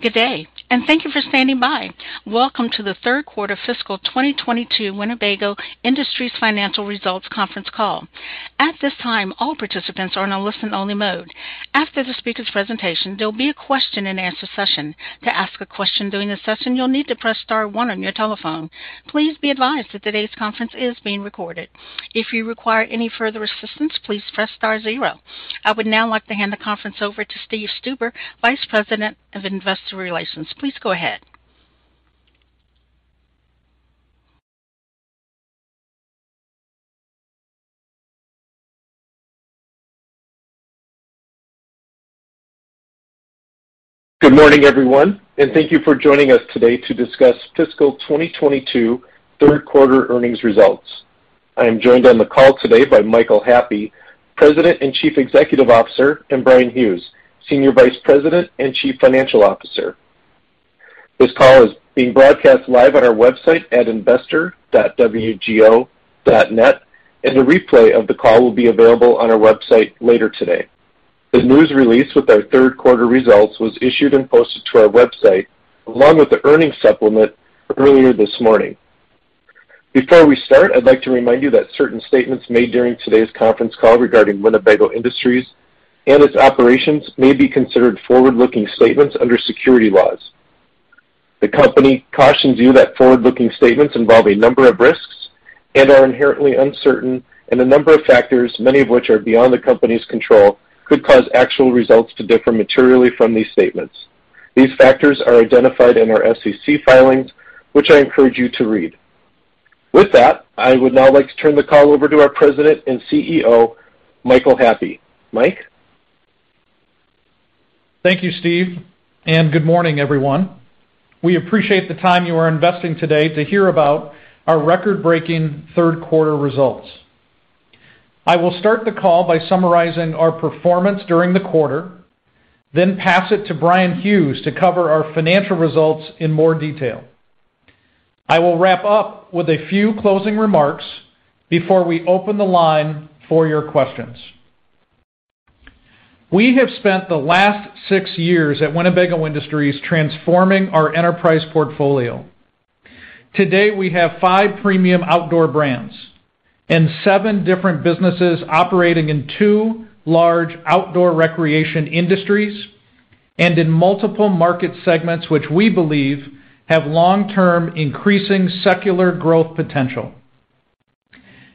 Good day, and thank you for standing by. Welcome to the Third Quarter Fiscal 2022 Winnebago Industries Financial Results Conference Call. At this time, all participants are in a listen-only mode. After the speaker's presentation, there'll be a question-and-answer session. To ask a question during the session, you'll need to press star one on your telephone. Please be advised that today's conference is being recorded. If you require any further assistance, please press star zero. I would now like to hand the conference over to Steve Stuber, Vice President of Investor Relations. Please go ahead. Good morning, everyone, and thank you for joining us today to discuss fiscal 2022 third quarter earnings results. I am joined on the call today by Michael Happe, President and Chief Executive Officer, and Bryan Hughes, Senior Vice President and Chief Financial Officer. This call is being broadcast live on our website at investor.wgo.net, and a replay of the call will be available on our website later today. The news release with our third quarter results was issued and posted to our website, along with the earnings supplement earlier this morning. Before we start, I'd like to remind you that certain statements made during today's conference call regarding Winnebago Industries and its operations may be considered forward-looking statements under securities laws. The company cautions you that forward-looking statements involve a number of risks and are inherently uncertain, and a number of factors, many of which are beyond the company's control, could cause actual results to differ materially from these statements. These factors are identified in our SEC filings, which I encourage you to read. With that, I would now like to turn the call over to our President and CEO, Michael Happe. Mike? Thank you, Steve, and good morning, everyone. We appreciate the time you are investing today to hear about our record-breaking third quarter results. I will start the call by summarizing our performance during the quarter, then pass it to Bryan Hughes to cover our financial results in more detail. I will wrap up with a few closing remarks before we open the line for your questions. We have spent the last six years at Winnebago Industries transforming our enterprise portfolio. Today, we have five premium outdoor brands and seven different businesses operating in two large outdoor recreation industries and in multiple market segments which we believe have long-term increasing secular growth potential.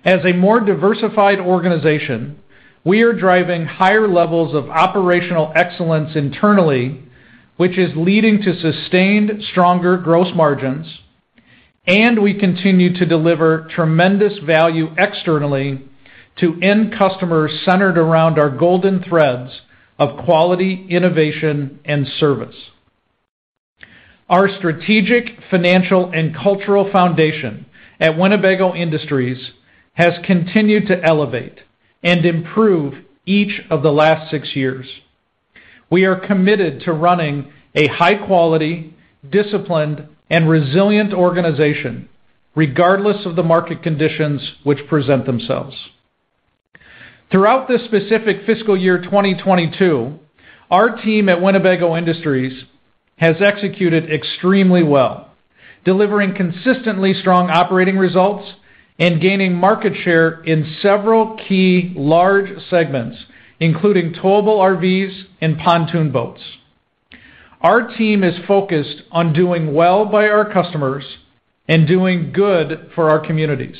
As a more diversified organization, we are driving higher levels of operational excellence internally, which is leading to sustained stronger gross margins, and we continue to deliver tremendous value externally to end customers centered around our golden threads of quality, innovation, and service. Our strategic, financial, and cultural foundation at Winnebago Industries has continued to elevate and improve each of the last six years. We are committed to running a high-quality, disciplined, and resilient organization regardless of the market conditions which present themselves. Throughout this specific fiscal year 2022, our team at Winnebago Industries has executed extremely well, delivering consistently strong operating results and gaining market share in several key large segments, including towable RVs and pontoon boats. Our team is focused on doing well by our customers and doing good for our communities.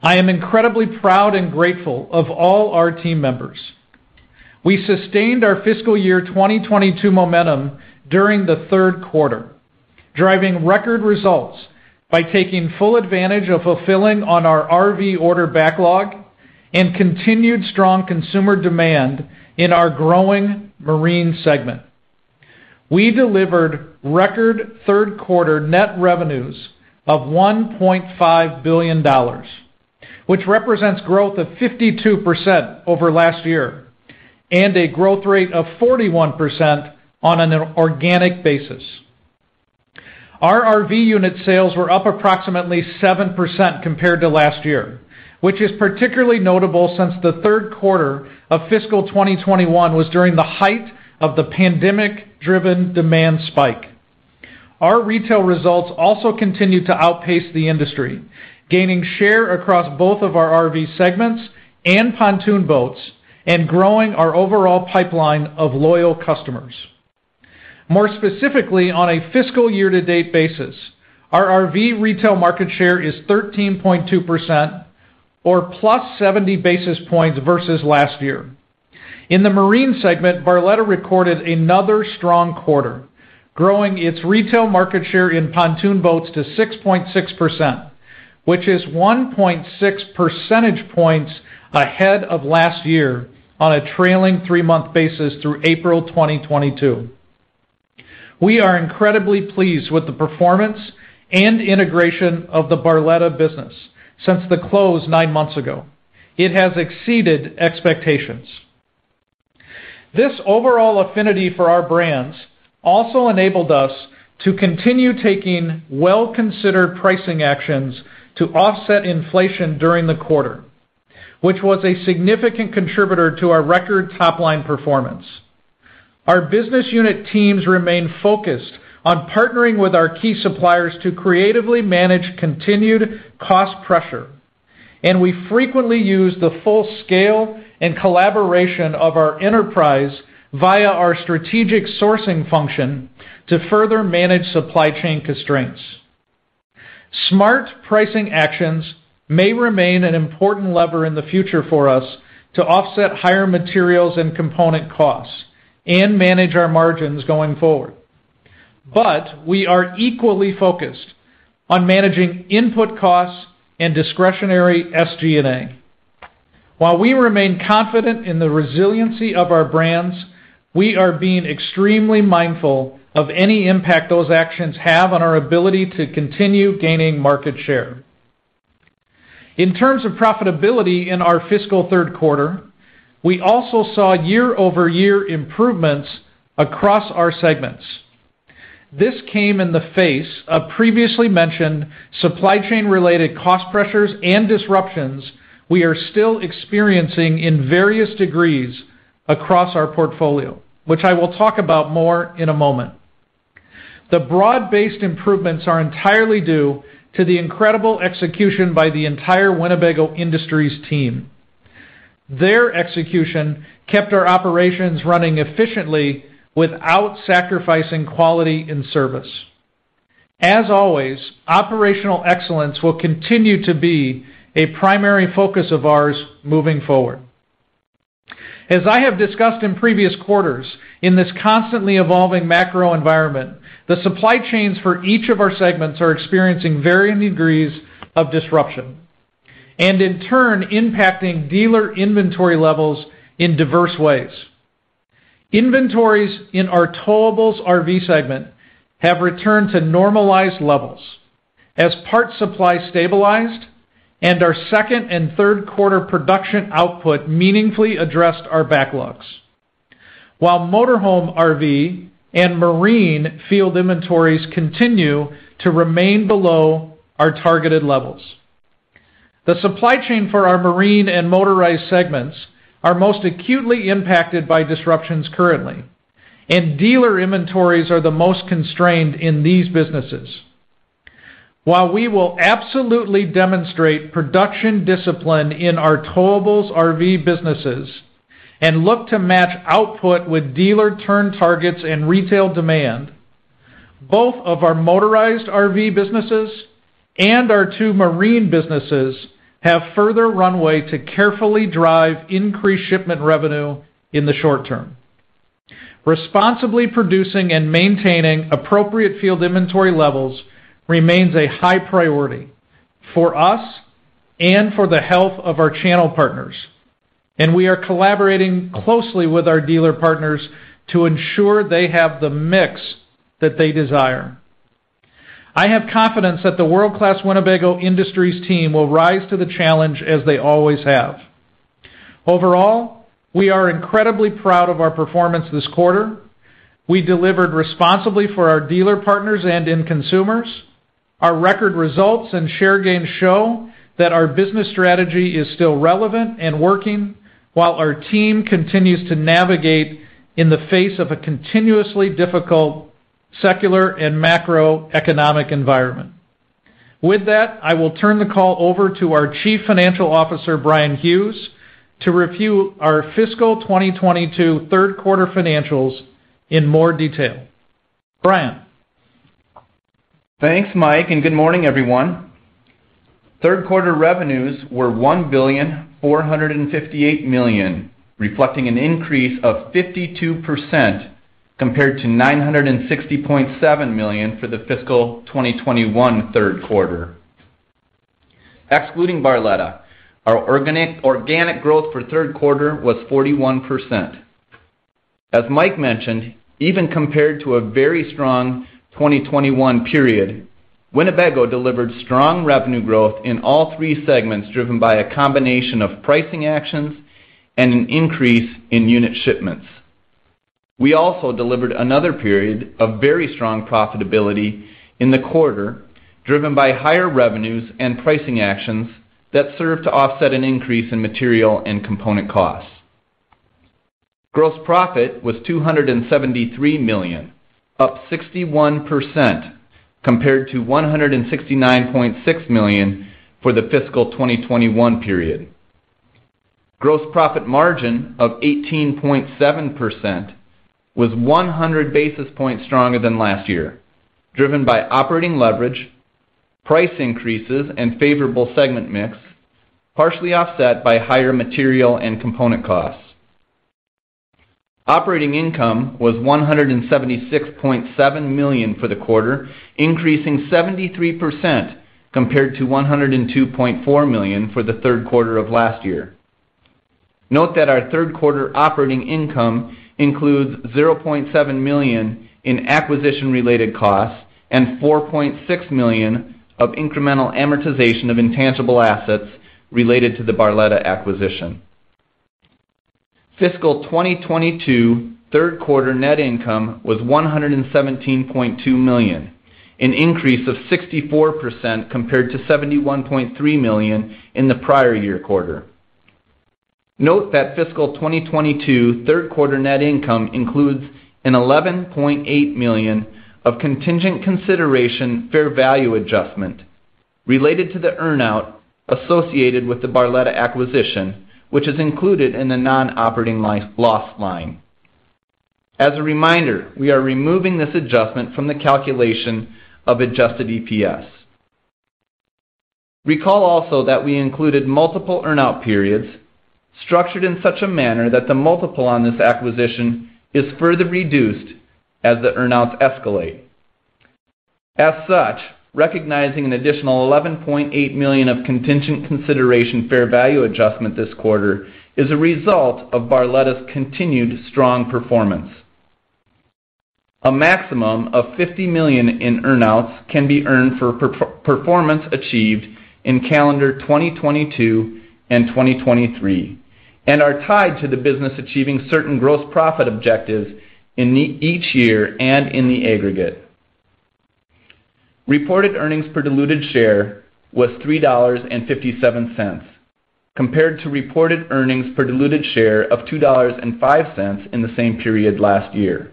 I am incredibly proud and grateful of all our team members. We sustained our fiscal year 2022 momentum during the third quarter, driving record results by taking full advantage of fulfilling on our RV order backlog and continued strong consumer demand in our growing marine segment. We delivered record third quarter net revenues of $1.5 billion, which represents growth of 52% over last year and a growth rate of 41% on an organic basis. Our RV unit sales were up approximately 7% compared to last year, which is particularly notable since the third quarter of fiscal 2021 was during the height of the pandemic-driven demand spike. Our retail results also continued to outpace the industry, gaining share across both of our RV segments and pontoon boats and growing our overall pipeline of loyal customers. More specifically, on a fiscal year-to-date basis, our RV retail market share is 13.2% or +70 basis points versus last year. In the marine segment, Barletta recorded another strong quarter, growing its retail market share in pontoon boats to 6.6%, which is 1.6 percentage points ahead of last year on a trailing three-month basis through April 2022. We are incredibly pleased with the performance and integration of the Barletta business since the close nine months ago. It has exceeded expectations. This overall affinity for our brands also enabled us to continue taking well-considered pricing actions to offset inflation during the quarter, which was a significant contributor to our record top-line performance. Our business unit teams remain focused on partnering with our key suppliers to creatively manage continued cost pressure. We frequently use the full scale and collaboration of our enterprise via our strategic sourcing function to further manage supply chain constraints. Smart pricing actions may remain an important lever in the future for us to offset higher materials and component costs and manage our margins going forward. We are equally focused on managing input costs and discretionary SG&A. While we remain confident in the resiliency of our brands, we are being extremely mindful of any impact those actions have on our ability to continue gaining market share. In terms of profitability in our fiscal third quarter, we also saw year-over-year improvements across our segments. This came in the face of previously mentioned supply chain related cost pressures and disruptions we are still experiencing in various degrees across our portfolio, which I will talk about more in a moment. The broad-based improvements are entirely due to the incredible execution by the entire Winnebago Industries team. Their execution kept our operations running efficiently without sacrificing quality and service. As always, operational excellence will continue to be a primary focus of ours moving forward. As I have discussed in previous quarters, in this constantly evolving macro environment, the supply chains for each of our segments are experiencing varying degrees of disruption, and in turn, impacting dealer inventory levels in diverse ways. Inventories in our Towables RV segment have returned to normalized levels as parts supply stabilized and our second and third quarter production output meaningfully addressed our backlogs. While Motorized RV and Marine inventories continue to remain below our targeted levels. The supply chain for our Marine and Motorized segments are most acutely impacted by disruptions currently, and dealer inventories are the most constrained in these businesses. While we will absolutely demonstrate production discipline in our Towables RV businesses and look to match output with dealer turn targets and retail demand, both of our motorized RV businesses and our two marine businesses have further runway to carefully drive increased shipment revenue in the short term. Responsibly producing and maintaining appropriate field inventory levels remains a high priority for us and for the health of our channel partners, and we are collaborating closely with our dealer partners to ensure they have the mix that they desire. I have confidence that the world-class Winnebago Industries team will rise to the challenge as they always have. Overall, we are incredibly proud of our performance this quarter. We delivered responsibly for our dealer partners and end consumers. Our record results and share gains show that our business strategy is still relevant and working while our team continues to navigate in the face of a continuously difficult secular and macroeconomic environment. With that, I will turn the call over to our Chief Financial Officer, Bryan Hughes, to review our fiscal 2022 third quarter financials in more detail. Bryan. Thanks, Mike, and good morning, everyone. Third quarter revenues were $1.458 billion, reflecting an increase of 52% compared to $960.7 million for the fiscal 2021 third quarter. Excluding Barletta, our organic growth for third quarter was 41%. As Mike mentioned, even compared to a very strong 2021 period, Winnebago delivered strong revenue growth in all three segments, driven by a combination of pricing actions and an increase in unit shipments. We also delivered another period of very strong profitability in the quarter, driven by higher revenues and pricing actions that served to offset an increase in material and component costs. Gross profit was $273 million, up 61% compared to $169.6 million for the fiscal 2021 period. Gross profit margin of 18.7% was 100 basis points stronger than last year, driven by operating leverage, price increases, and favorable segment mix, partially offset by higher material and component costs. Operating income was $176.7 million for the quarter, increasing 73% compared to $102.4 million for the third quarter of last year. Note that our third quarter operating income includes $0.7 million in acquisition-related costs and $4.6 million of incremental amortization of intangible assets related to the Barletta acquisition. Fiscal 2022 third quarter net income was $117.2 million, an increase of 64% compared to $71.3 million in the prior year quarter. Note that fiscal 2022 third quarter net income includes an $11.8 million of contingent consideration fair value adjustment related to the earn out associated with the Barletta acquisition, which is included in the non-operating other loss line. As a reminder, we are removing this adjustment from the calculation of adjusted EPS. Recall also that we included multiple earn out periods structured in such a manner that the multiple on this acquisition is further reduced as the earn outs escalate. As such, recognizing an additional $11.8 million of contingent consideration fair value adjustment this quarter is a result of Barletta's continued strong performance. A maximum of $50 million in earn outs can be earned for performance achieved in calendar 2022 and 2023, and are tied to the business achieving certain gross profit objectives in each year and in the aggregate. Reported earnings per diluted share was $3.57, compared to reported earnings per diluted share of $2.05 in the same period last year.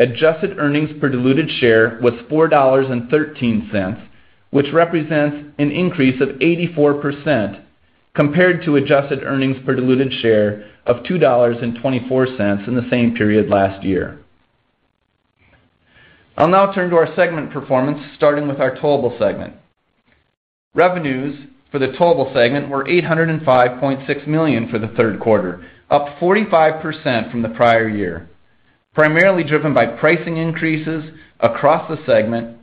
Adjusted earnings per diluted share was $4.13, which represents an increase of 84% compared to adjusted earnings per diluted share of $2.24 in the same period last year. I'll now turn to our segment performance, starting with our Towable segment. Revenues for the Towable segment were $805.6 million for the third quarter, up 45% from the prior year, primarily driven by pricing increases across the segment,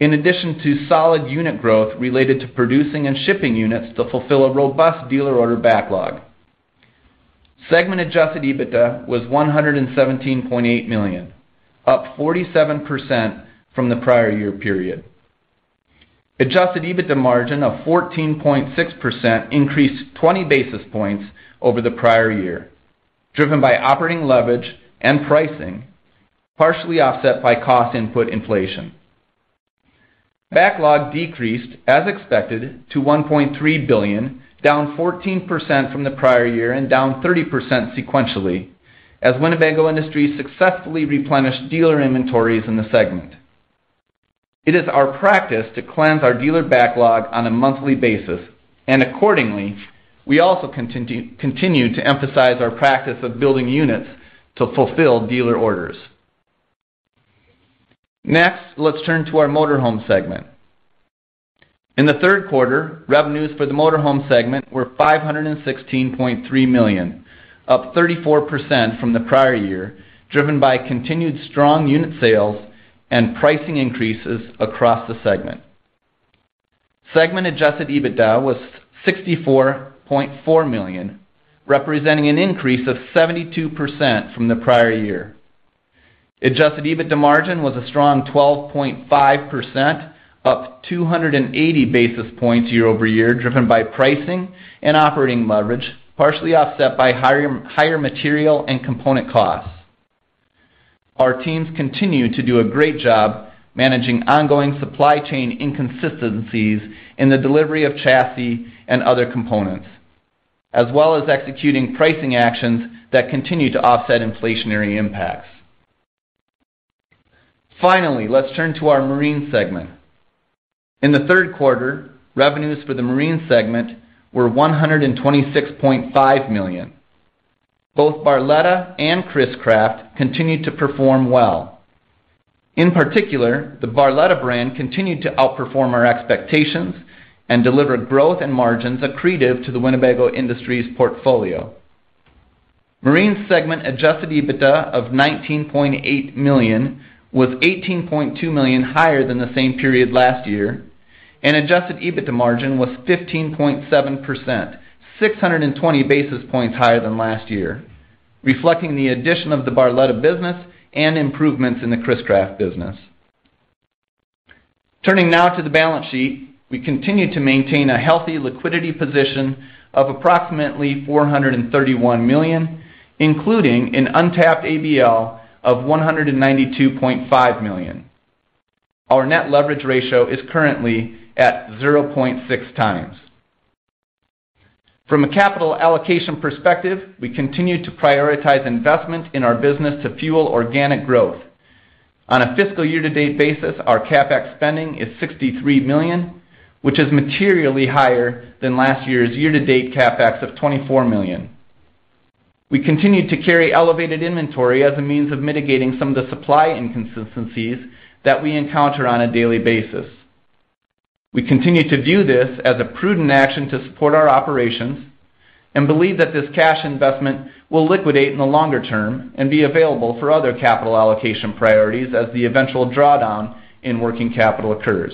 in addition to solid unit growth related to producing and shipping units to fulfill a robust dealer order backlog. Segment adjusted EBITDA was $117.8 million, up 47% from the prior year period. Adjusted EBITDA margin of 14.6% increased 20 basis points over the prior year, driven by operating leverage and pricing, partially offset by cost input inflation. Backlog decreased as expected to $1.3 billion, down 14% from the prior year and down 30% sequentially as Winnebago Industries successfully replenished dealer inventories in the segment. It is our practice to cleanse our dealer backlog on a monthly basis, and accordingly, we also continue to emphasize our practice of building units to fulfill dealer orders. Next, let's turn to our Motorhome segment. In the third quarter, revenues for the Motorhome segment were $516.3 million, up 34% from the prior year, driven by continued strong unit sales and pricing increases across the segment. Segment adjusted EBITDA was $64.4 million, representing an increase of 72% from the prior year. Adjusted EBITDA margin was a strong 12.5%, up 280 basis points year-over-year, driven by pricing and operating leverage, partially offset by higher material and component costs. Our teams continue to do a great job managing ongoing supply chain inconsistencies in the delivery of chassis and other components, as well as executing pricing actions that continue to offset inflationary impacts. Finally, let's turn to our Marine segment. In the third quarter, revenues for the Marine segment were $126.5 million. Both Barletta and Chris-Craft continued to perform well. In particular, the Barletta brand continued to outperform our expectations and delivered growth and margins accretive to the Winnebago Industries portfolio. Marine segment adjusted EBITDA of $19.8 million was $18.2 million higher than the same period last year, and adjusted EBITDA margin was 15.7%, 620 basis points higher than last year, reflecting the addition of the Barletta business and improvements in the Chris-Craft business. Turning now to the balance sheet. We continue to maintain a healthy liquidity position of approximately $431 million, including an untapped ABL of $192.5 million. Our net leverage ratio is currently at 0.6 times. From a capital allocation perspective, we continue to prioritize investment in our business to fuel organic growth. On a fiscal year to date basis, our CapEx spending is $63 million, which is materially higher than last year's year to date CapEx of $24 million. We continue to carry elevated inventory as a means of mitigating some of the supply inconsistencies that we encounter on a daily basis. We continue to view this as a prudent action to support our operations and believe that this cash investment will liquidate in the longer term and be available for other capital allocation priorities as the eventual drawdown in working capital occurs.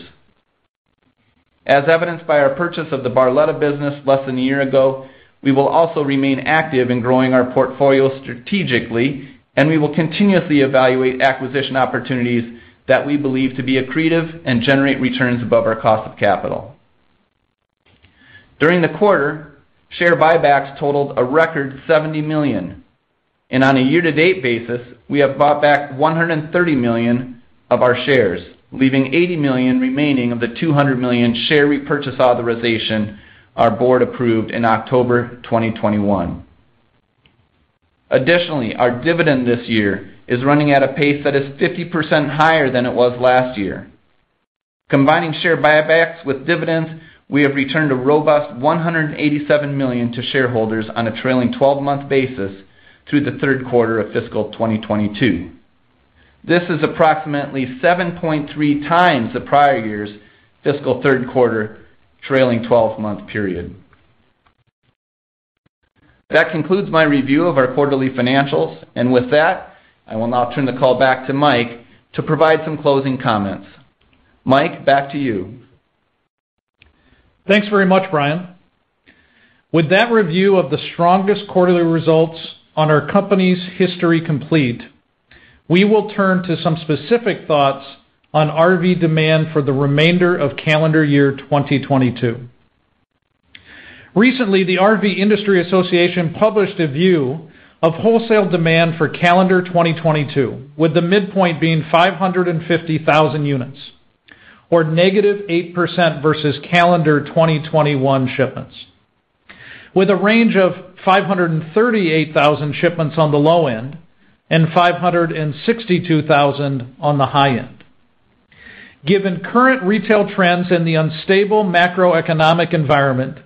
As evidenced by our purchase of the Barletta business less than a year ago, we will also remain active in growing our portfolio strategically, and we will continuously evaluate acquisition opportunities that we believe to be accretive and generate returns above our cost of capital. During the quarter, share buybacks totaled a record $70 million. On a year-to-date basis, we have bought back $130 million of our shares, leaving $80 million remaining of the $200 million share repurchase authorization our board approved in October 2021. Additionally, our dividend this year is running at a pace that is 50% higher than it was last year. Combining share buybacks with dividends, we have returned a robust $187 million to shareholders on a trailing twelve-month basis through the third quarter of fiscal 2022. This is approximately 7.3 times the prior year's fiscal third quarter trailing twelve-month period. That concludes my review of our quarterly financials. With that, I will now turn the call back to Mike to provide some closing comments. Mike, back to you. Thanks very much, Bryan. With that review of the strongest quarterly results in our company's history complete, we will turn to some specific thoughts on RV demand for the remainder of calendar year 2022. Recently, the RV Industry Association published a view of wholesale demand for calendar 2022, with the midpoint being 550,000 units or -8% versus calendar 2021 shipments, with a range of 538,000 shipments on the low end and 562,000 on the high end. Given current retail trends in the unstable macroeconomic environment,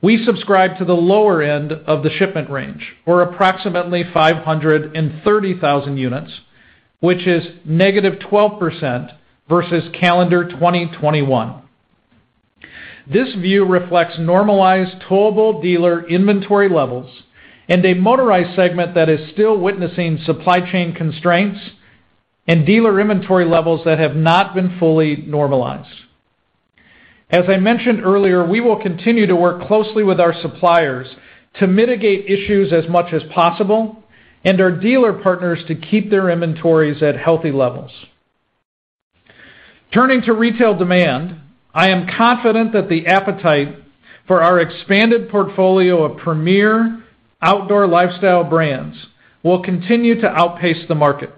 we subscribe to the lower end of the shipment range, or approximately 530,000 units, which is -12% versus calendar 2021. This view reflects normalized towable dealer inventory levels and a motorized segment that is still witnessing supply chain constraints and dealer inventory levels that have not been fully normalized. As I mentioned earlier, we will continue to work closely with our suppliers to mitigate issues as much as possible and our dealer partners to keep their inventories at healthy levels. Turning to retail demand, I am confident that the appetite for our expanded portfolio of premier outdoor lifestyle brands will continue to outpace the market.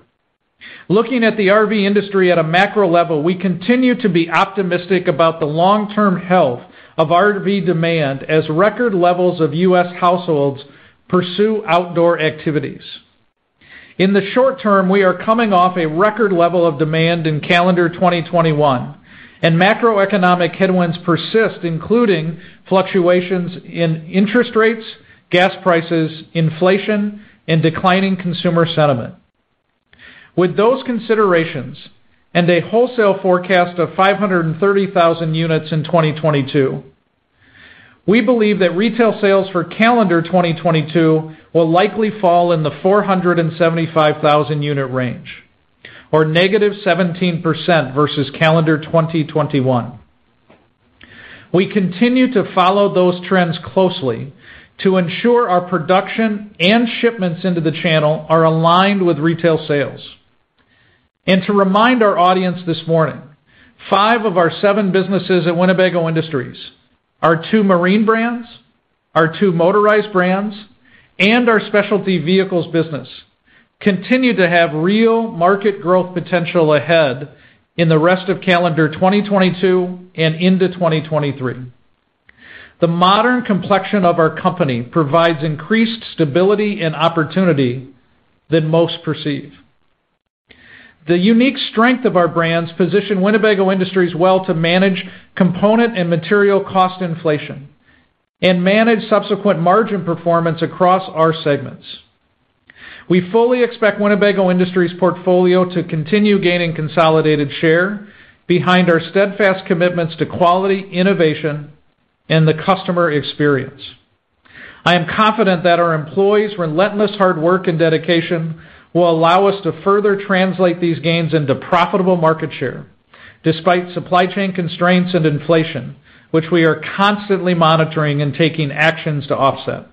Looking at the RV industry at a macro level, we continue to be optimistic about the long-term health of RV demand as record levels of U.S. households pursue outdoor activities. In the short term, we are coming off a record level of demand in calendar 2021, and macroeconomic headwinds persist, including fluctuations in interest rates, gas prices, inflation, and declining consumer sentiment. With those considerations and a wholesale forecast of 530,000 units in 2022, we believe that retail sales for calendar 2022 will likely fall in the 475,000-unit range or -17% versus calendar 2021. We continue to follow those trends closely to ensure our production and shipments into the channel are aligned with retail sales. To remind our audience this morning, 5 of our 7 businesses at Winnebago Industries, our two marine brands, our two motorized brands, and our specialty vehicles business continue to have real market growth potential ahead in the rest of calendar 2022 and into 2023. The modern complexion of our company provides increased stability and opportunity than most perceive. The unique strength of our brands position Winnebago Industries well to manage component and material cost inflation and manage subsequent margin performance across our segments. We fully expect Winnebago Industries portfolio to continue gaining consolidated share behind our steadfast commitments to quality, innovation, and the customer experience. I am confident that our employees' relentless hard work and dedication will allow us to further translate these gains into profitable market share despite supply chain constraints and inflation, which we are constantly monitoring and taking actions to offset.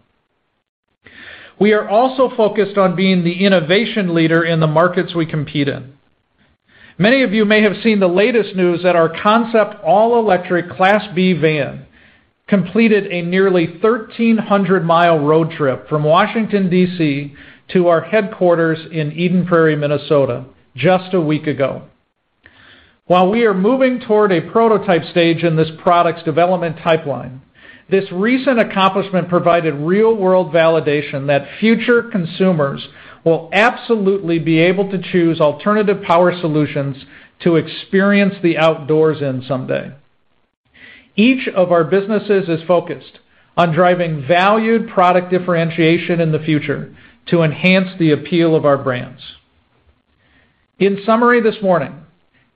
We are also focused on being the innovation leader in the markets we compete in. Many of you may have seen the latest news that our concept all-electric Class B van completed a nearly 1,300-mile road trip from Washington, D.C., to our headquarters in Eden Prairie, Minnesota, just a week ago. While we are moving toward a prototype stage in this product's development pipeline, this recent accomplishment provided real-world validation that future consumers will absolutely be able to choose alternative power solutions to experience the outdoors in someday. Each of our businesses is focused on driving valued product differentiation in the future to enhance the appeal of our brands. In summary, this morning,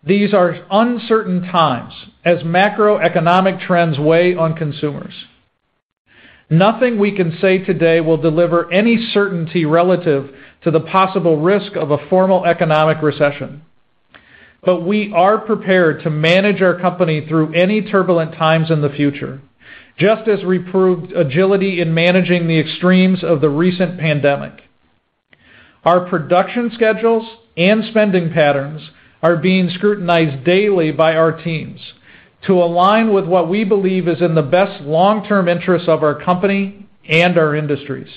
these are uncertain times as macroeconomic trends weigh on consumers. Nothing we can say today will deliver any certainty relative to the possible risk of a formal economic recession. We are prepared to manage our company through any turbulent times in the future, just as we proved agility in managing the extremes of the recent pandemic. Our production schedules and spending patterns are being scrutinized daily by our teams to align with what we believe is in the best long-term interests of our company and our industries.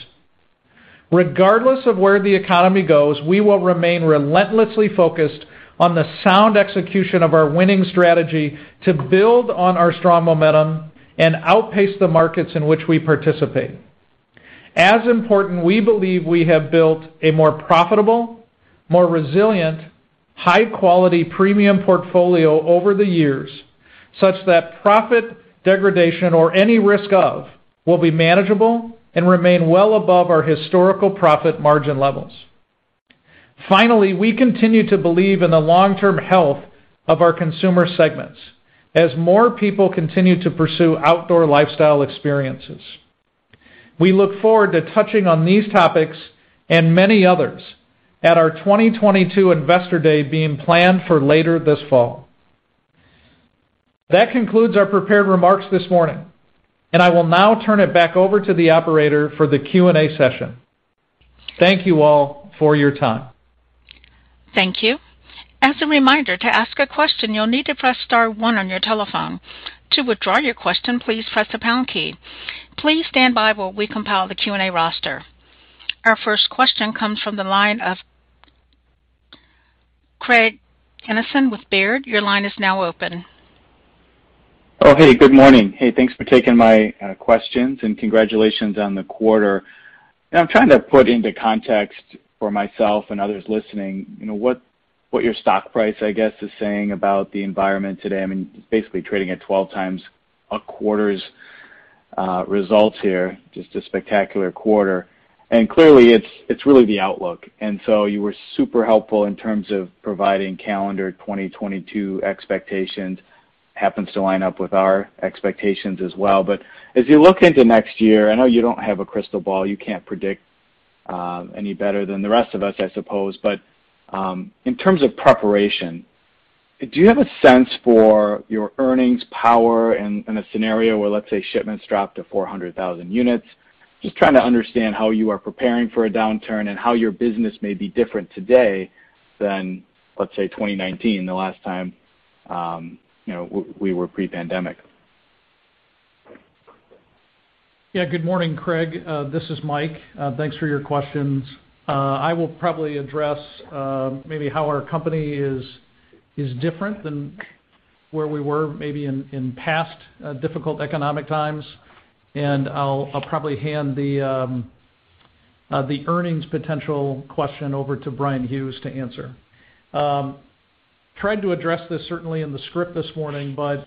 Regardless of where the economy goes, we will remain relentlessly focused on the sound execution of our winning strategy to build on our strong momentum and outpace the markets in which we participate. As important, we believe we have built a more profitable, more resilient, high-quality premium portfolio over the years, such that profit degradation or any risk of will be manageable and remain well above our historical profit margin levels. Finally, we continue to believe in the long-term health of our consumer segments as more people continue to pursue outdoor lifestyle experiences. We look forward to touching on these topics and many others at our 2022 Investor Day being planned for later this fall. That concludes our prepared remarks this morning, and I will now turn it back over to the operator for the Q&A session. Thank you all for your time. Thank you. As a reminder, to ask a question, you'll need to press star one on your telephone. To withdraw your question, please press the pound key. Please stand by while we compile the Q&A roster. Our first question comes from the line of Craig Kennison with Baird. Your line is now open. Oh, hey, good morning. Hey, thanks for taking my questions, and congratulations on the quarter. I'm trying to put into context for myself and others listening, you know, what your stock price, I guess, is saying about the environment today. I mean, basically trading at 12 times a quarter's results here, just a spectacular quarter. Clearly, it's really the outlook. You were super helpful in terms of providing calendar 2022 expectations. Happens to line up with our expectations as well. As you look into next year, I know you don't have a crystal ball, you can't predict any better than the rest of us, I suppose. In terms of preparation, do you have a sense for your earnings power in a scenario where, let's say, shipments drop to 400,000 units? Just trying to understand how you are preparing for a downturn and how your business may be different today than, let's say, 2019, the last time, you know, we were pre-pandemic. Yeah. Good morning, Craig. This is Mike. Thanks for your questions. I will probably address maybe how our company is different than where we were maybe in past difficult economic times, and I'll probably hand the earnings potential question over to Bryan Hughes to answer. Tried to address this certainly in the script this morning, but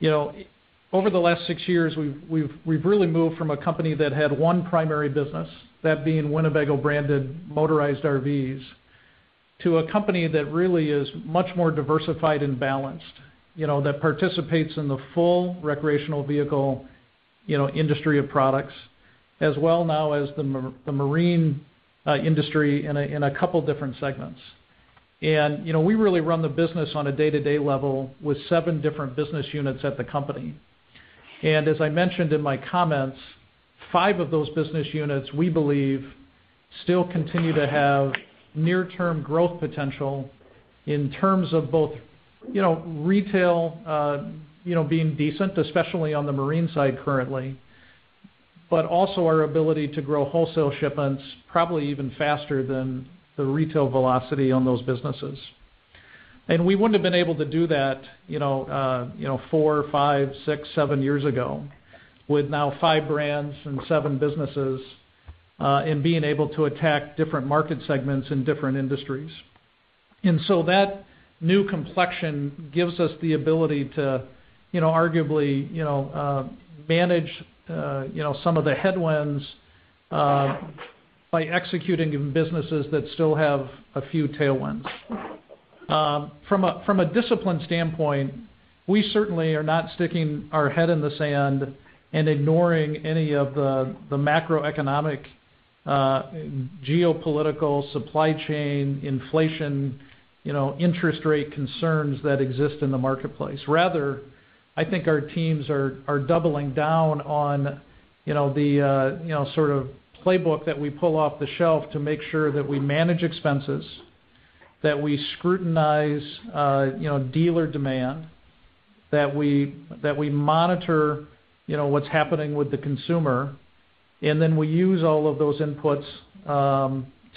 you know, over the last six years, we've really moved from a company that had one primary business, that being Winnebago-branded motorized RVs, to a company that really is much more diversified and balanced, you know, that participates in the full recreational vehicle industry of products, as well now as the marine industry in a couple different segments. You know, we really run the business on a day-to-day level with 7 different business units at the company. As I mentioned in my comments, 5 of those business units, we believe, still continue to have near-term growth potential in terms of both, you know, retail, you know, being decent, especially on the marine side currently, but also our ability to grow wholesale shipments probably even faster than the retail velocity on those businesses. We wouldn't have been able to do that, you know, you know, 4, 5, 6, 7 years ago with now 5 brands and 7 businesses, and being able to attack different market segments in different industries. That new complexion gives us the ability to, you know, arguably, you know, manage, you know, some of the headwinds, by executing in businesses that still have a few tailwinds. From a discipline standpoint, we certainly are not sticking our head in the sand and ignoring any of the macroeconomic, geopolitical supply chain inflation, you know, interest rate concerns that exist in the marketplace. Rather, I think our teams are doubling down on, you know, the sort of playbook that we pull off the shelf to make sure that we manage expenses, that we scrutinize dealer demand, that we monitor what's happening with the consumer, and then we use all of those inputs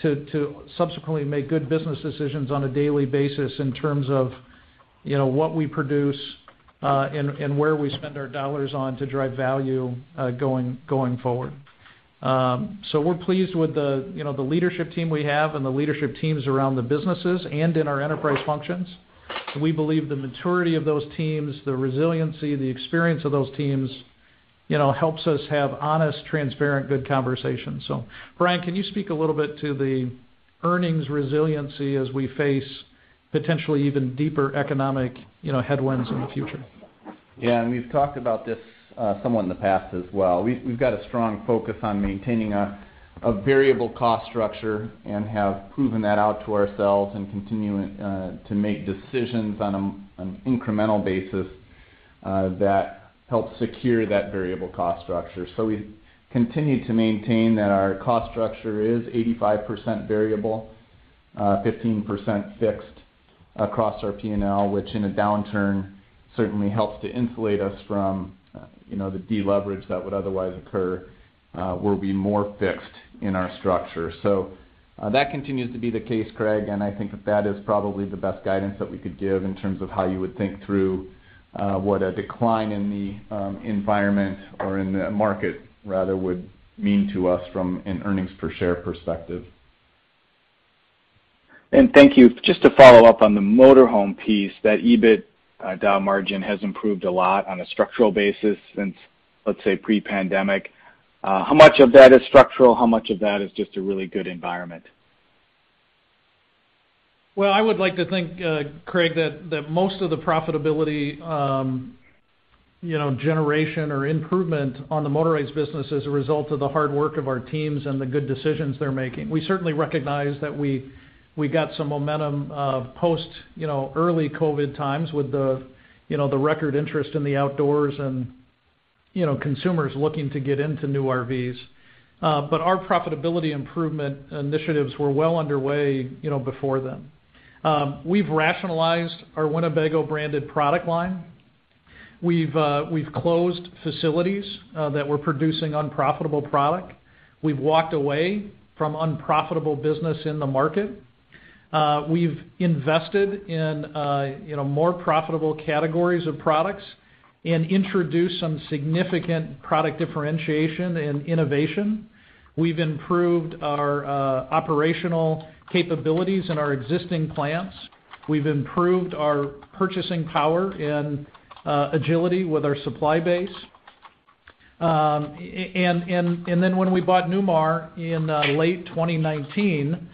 to subsequently make good business decisions on a daily basis in terms of, you know, what we produce and where we spend our dollars on to drive value going forward. We're pleased with the leadership team we have and the leadership teams around the businesses and in our enterprise functions. We believe the maturity of those teams, the resiliency, the experience of those teams, you know, helps us have honest, transparent, good conversations. Bryan, can you speak a little bit to the earnings resiliency as we face potentially even deeper economic, you know, headwinds in the future? Yeah. We've talked about this somewhat in the past as well. We've got a strong focus on maintaining a variable cost structure and have proven that out to ourselves and continuing to make decisions on an incremental basis that helps secure that variable cost structure. We continue to maintain that our cost structure is 85% variable, 15% fixed across our P&L, which in a downturn certainly helps to insulate us from, you know, the deleverage that would otherwise occur, will be more fixed in our structure. That continues to be the case, Craig, and I think that is probably the best guidance that we could give in terms of how you would think through what a decline in the environment or in the market rather would mean to us from an earnings per share perspective. Thank you. Just to follow up on the motorhome piece, that EBIT down margin has improved a lot on a structural basis since, let's say, pre-pandemic. How much of that is structural? How much of that is just a really good environment? Well, I would like to think, Craig, that most of the profitability, you know, generation or improvement on the motorized business is a result of the hard work of our teams and the good decisions they're making. We certainly recognize that we got some momentum post early COVID times with the you know the record interest in the outdoors and you know consumers looking to get into new RVs. Our profitability improvement initiatives were well underway, you know, before then. We've rationalized our Winnebago-branded product line. We've closed facilities that were producing unprofitable product. We've walked away from unprofitable business in the market. We've invested in you know more profitable categories of products and introduced some significant product differentiation and innovation. We've improved our operational capabilities in our existing plants. We've improved our purchasing power and agility with our supply base. When we bought Newmar in late 2019,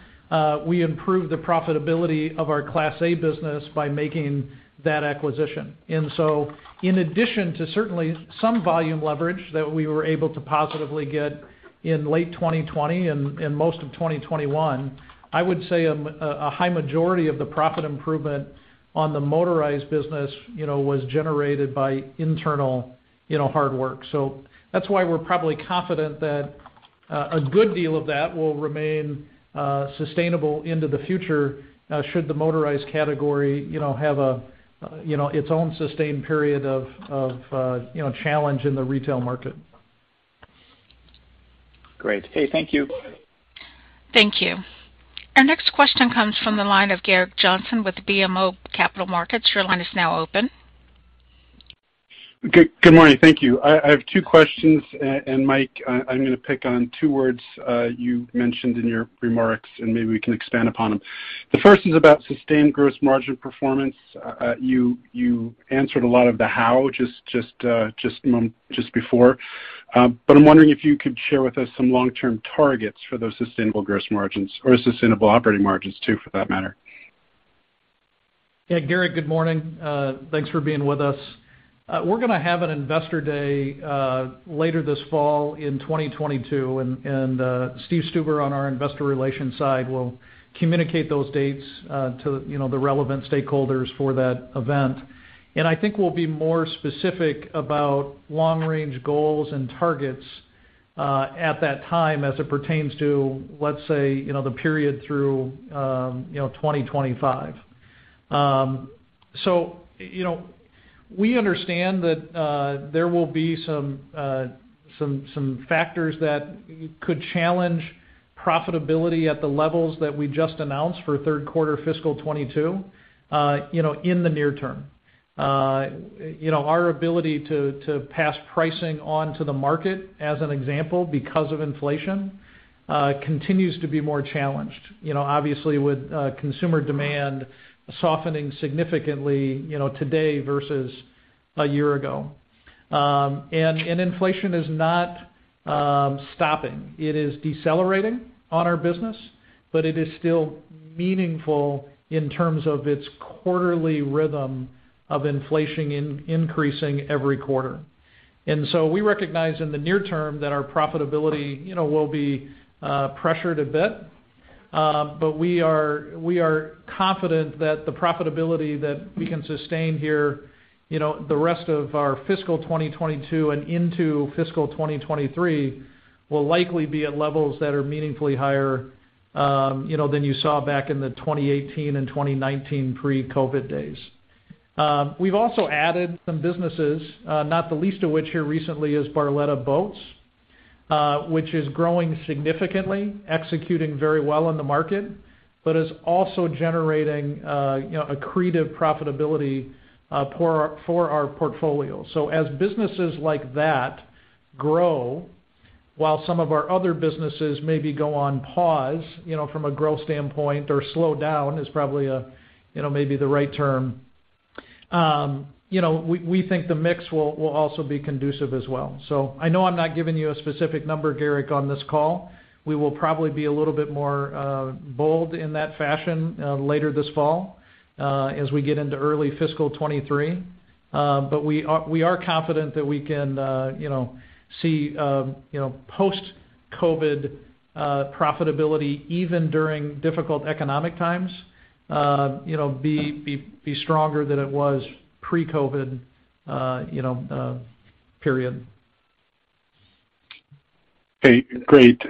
we improved the profitability of our Class A business by making that acquisition. In addition to certainly some volume leverage that we were able to positively get in late 2020 and most of 2021, I would say a high majority of the profit improvement on the motorized business, you know, was generated by internal, you know, hard work. That's why we're probably confident that a good deal of that will remain sustainable into the future should the motorized category, you know, have its own sustained period of challenge in the retail market. Great. Okay, thank you. Thank you. Our next question comes from the line of Gerrick Johnson with BMO Capital Markets. Your line is now open. Good morning. Thank you. I have two questions. Mike, I'm gonna pick on two words you mentioned in your remarks, and maybe we can expand upon them. The first is about sustained gross margin performance. You answered a lot of the how just before. I'm wondering if you could share with us some long-term targets for those sustainable gross margins or sustainable operating margins too, for that matter. Yeah. Garrick, good morning. Thanks for being with us. We're gonna have an investor day later this fall in 2022, and Steve Stuber on our investor relations side will communicate those dates to you know the relevant stakeholders for that event. I think we'll be more specific about long-range goals and targets at that time as it pertains to let's say you know the period through you know 2025. You know we understand that there will be some factors that could challenge profitability at the levels that we just announced for third quarter fiscal 2022 you know in the near term. You know, our ability to pass pricing on to the market, as an example, because of inflation, continues to be more challenged, you know, obviously with consumer demand softening significantly, you know, today versus a year ago. Inflation is not stopping. It is decelerating on our business, but it is still meaningful in terms of its quarterly rhythm of inflation increasing every quarter. We recognize in the near term that our profitability, you know, will be pressured a bit. But we are confident that the profitability that we can sustain here, you know, the rest of our fiscal 2022 and into fiscal 2023, will likely be at levels that are meaningfully higher, you know, than you saw back in the 2018 and 2019 pre-COVID days. We've also added some businesses, not the least of which here recently is Barletta Boats, which is growing significantly, executing very well in the market, but is also generating, you know, accretive profitability for our portfolio. As businesses like that grow while some of our other businesses maybe go on pause, you know, from a growth standpoint or slow down is probably a, you know, maybe the right term. We think the mix will also be conducive as well. I know I'm not giving you a specific number, Garrick, on this call. We will probably be a little bit more bold in that fashion later this fall, as we get into early fiscal 2023. We are confident that we can, you know, see, you know, post-COVID profitability, even during difficult economic times, you know, be stronger than it was pre-COVID, you know, period. Okay, great.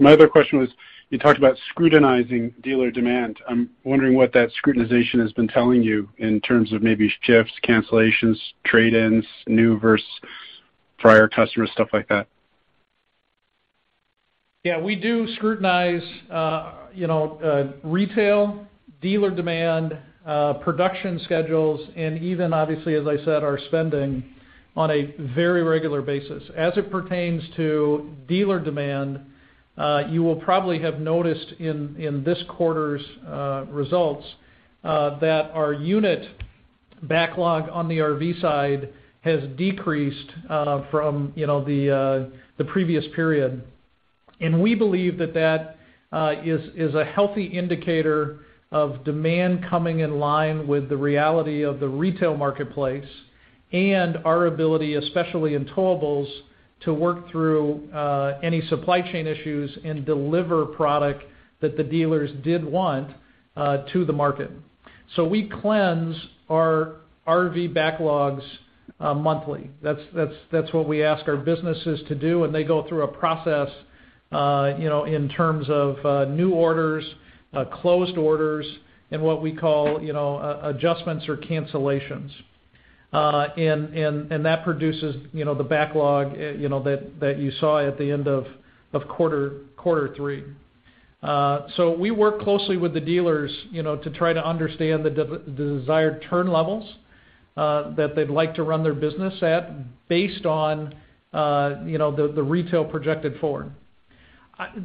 My other question was, you talked about scrutinizing dealer demand. I'm wondering what that scrutiny has been telling you in terms of maybe shifts, cancellations, trade-ins, new versus prior customers, stuff like that. Yeah, we do scrutinize, you know, retail, dealer demand, production schedules, and even obviously, as I said, our spending on a very regular basis. As it pertains to dealer demand, you will probably have noticed in this quarter's results that our unit backlog on the RV side has decreased from, you know, the previous period. We believe that is a healthy indicator of demand coming in line with the reality of the retail marketplace and our ability, especially in towables, to work through any supply chain issues and deliver product that the dealers did want to the market. We cleanse our RV backlogs monthly. That's what we ask our businesses to do, and they go through a process, you know, in terms of new orders, closed orders, and what we call, you know, adjustments or cancellations. And that produces, you know, the backlog, you know, that you saw at the end of quarter three. We work closely with the dealers, you know, to try to understand the desired turn levels that they'd like to run their business at based on, you know, the retail projected forward.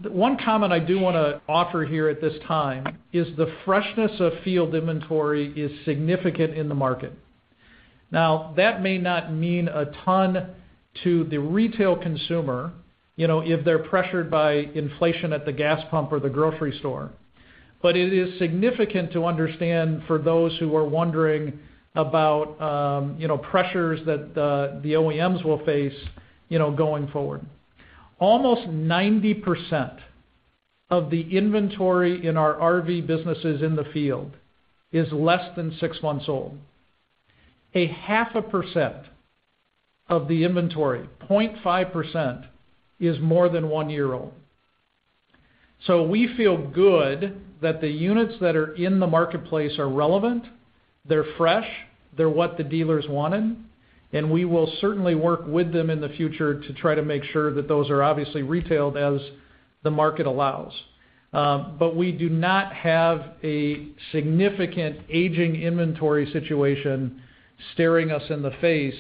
One comment I do wanna offer here at this time is the freshness of field inventory is significant in the market. Now, that may not mean a ton to the retail consumer, you know, if they're pressured by inflation at the gas pump or the grocery store. It is significant to understand for those who are wondering about, you know, pressures that the OEMs will face, you know, going forward. Almost 90% of the inventory in our RV businesses in the field is less than six months old. 0.5% of the inventory, 0.5% is more than one year old. We feel good that the units that are in the marketplace are relevant, they're fresh, they're what the dealers wanted, and we will certainly work with them in the future to try to make sure that those are obviously retailed as the market allows. We do not have a significant aging inventory situation staring us in the face,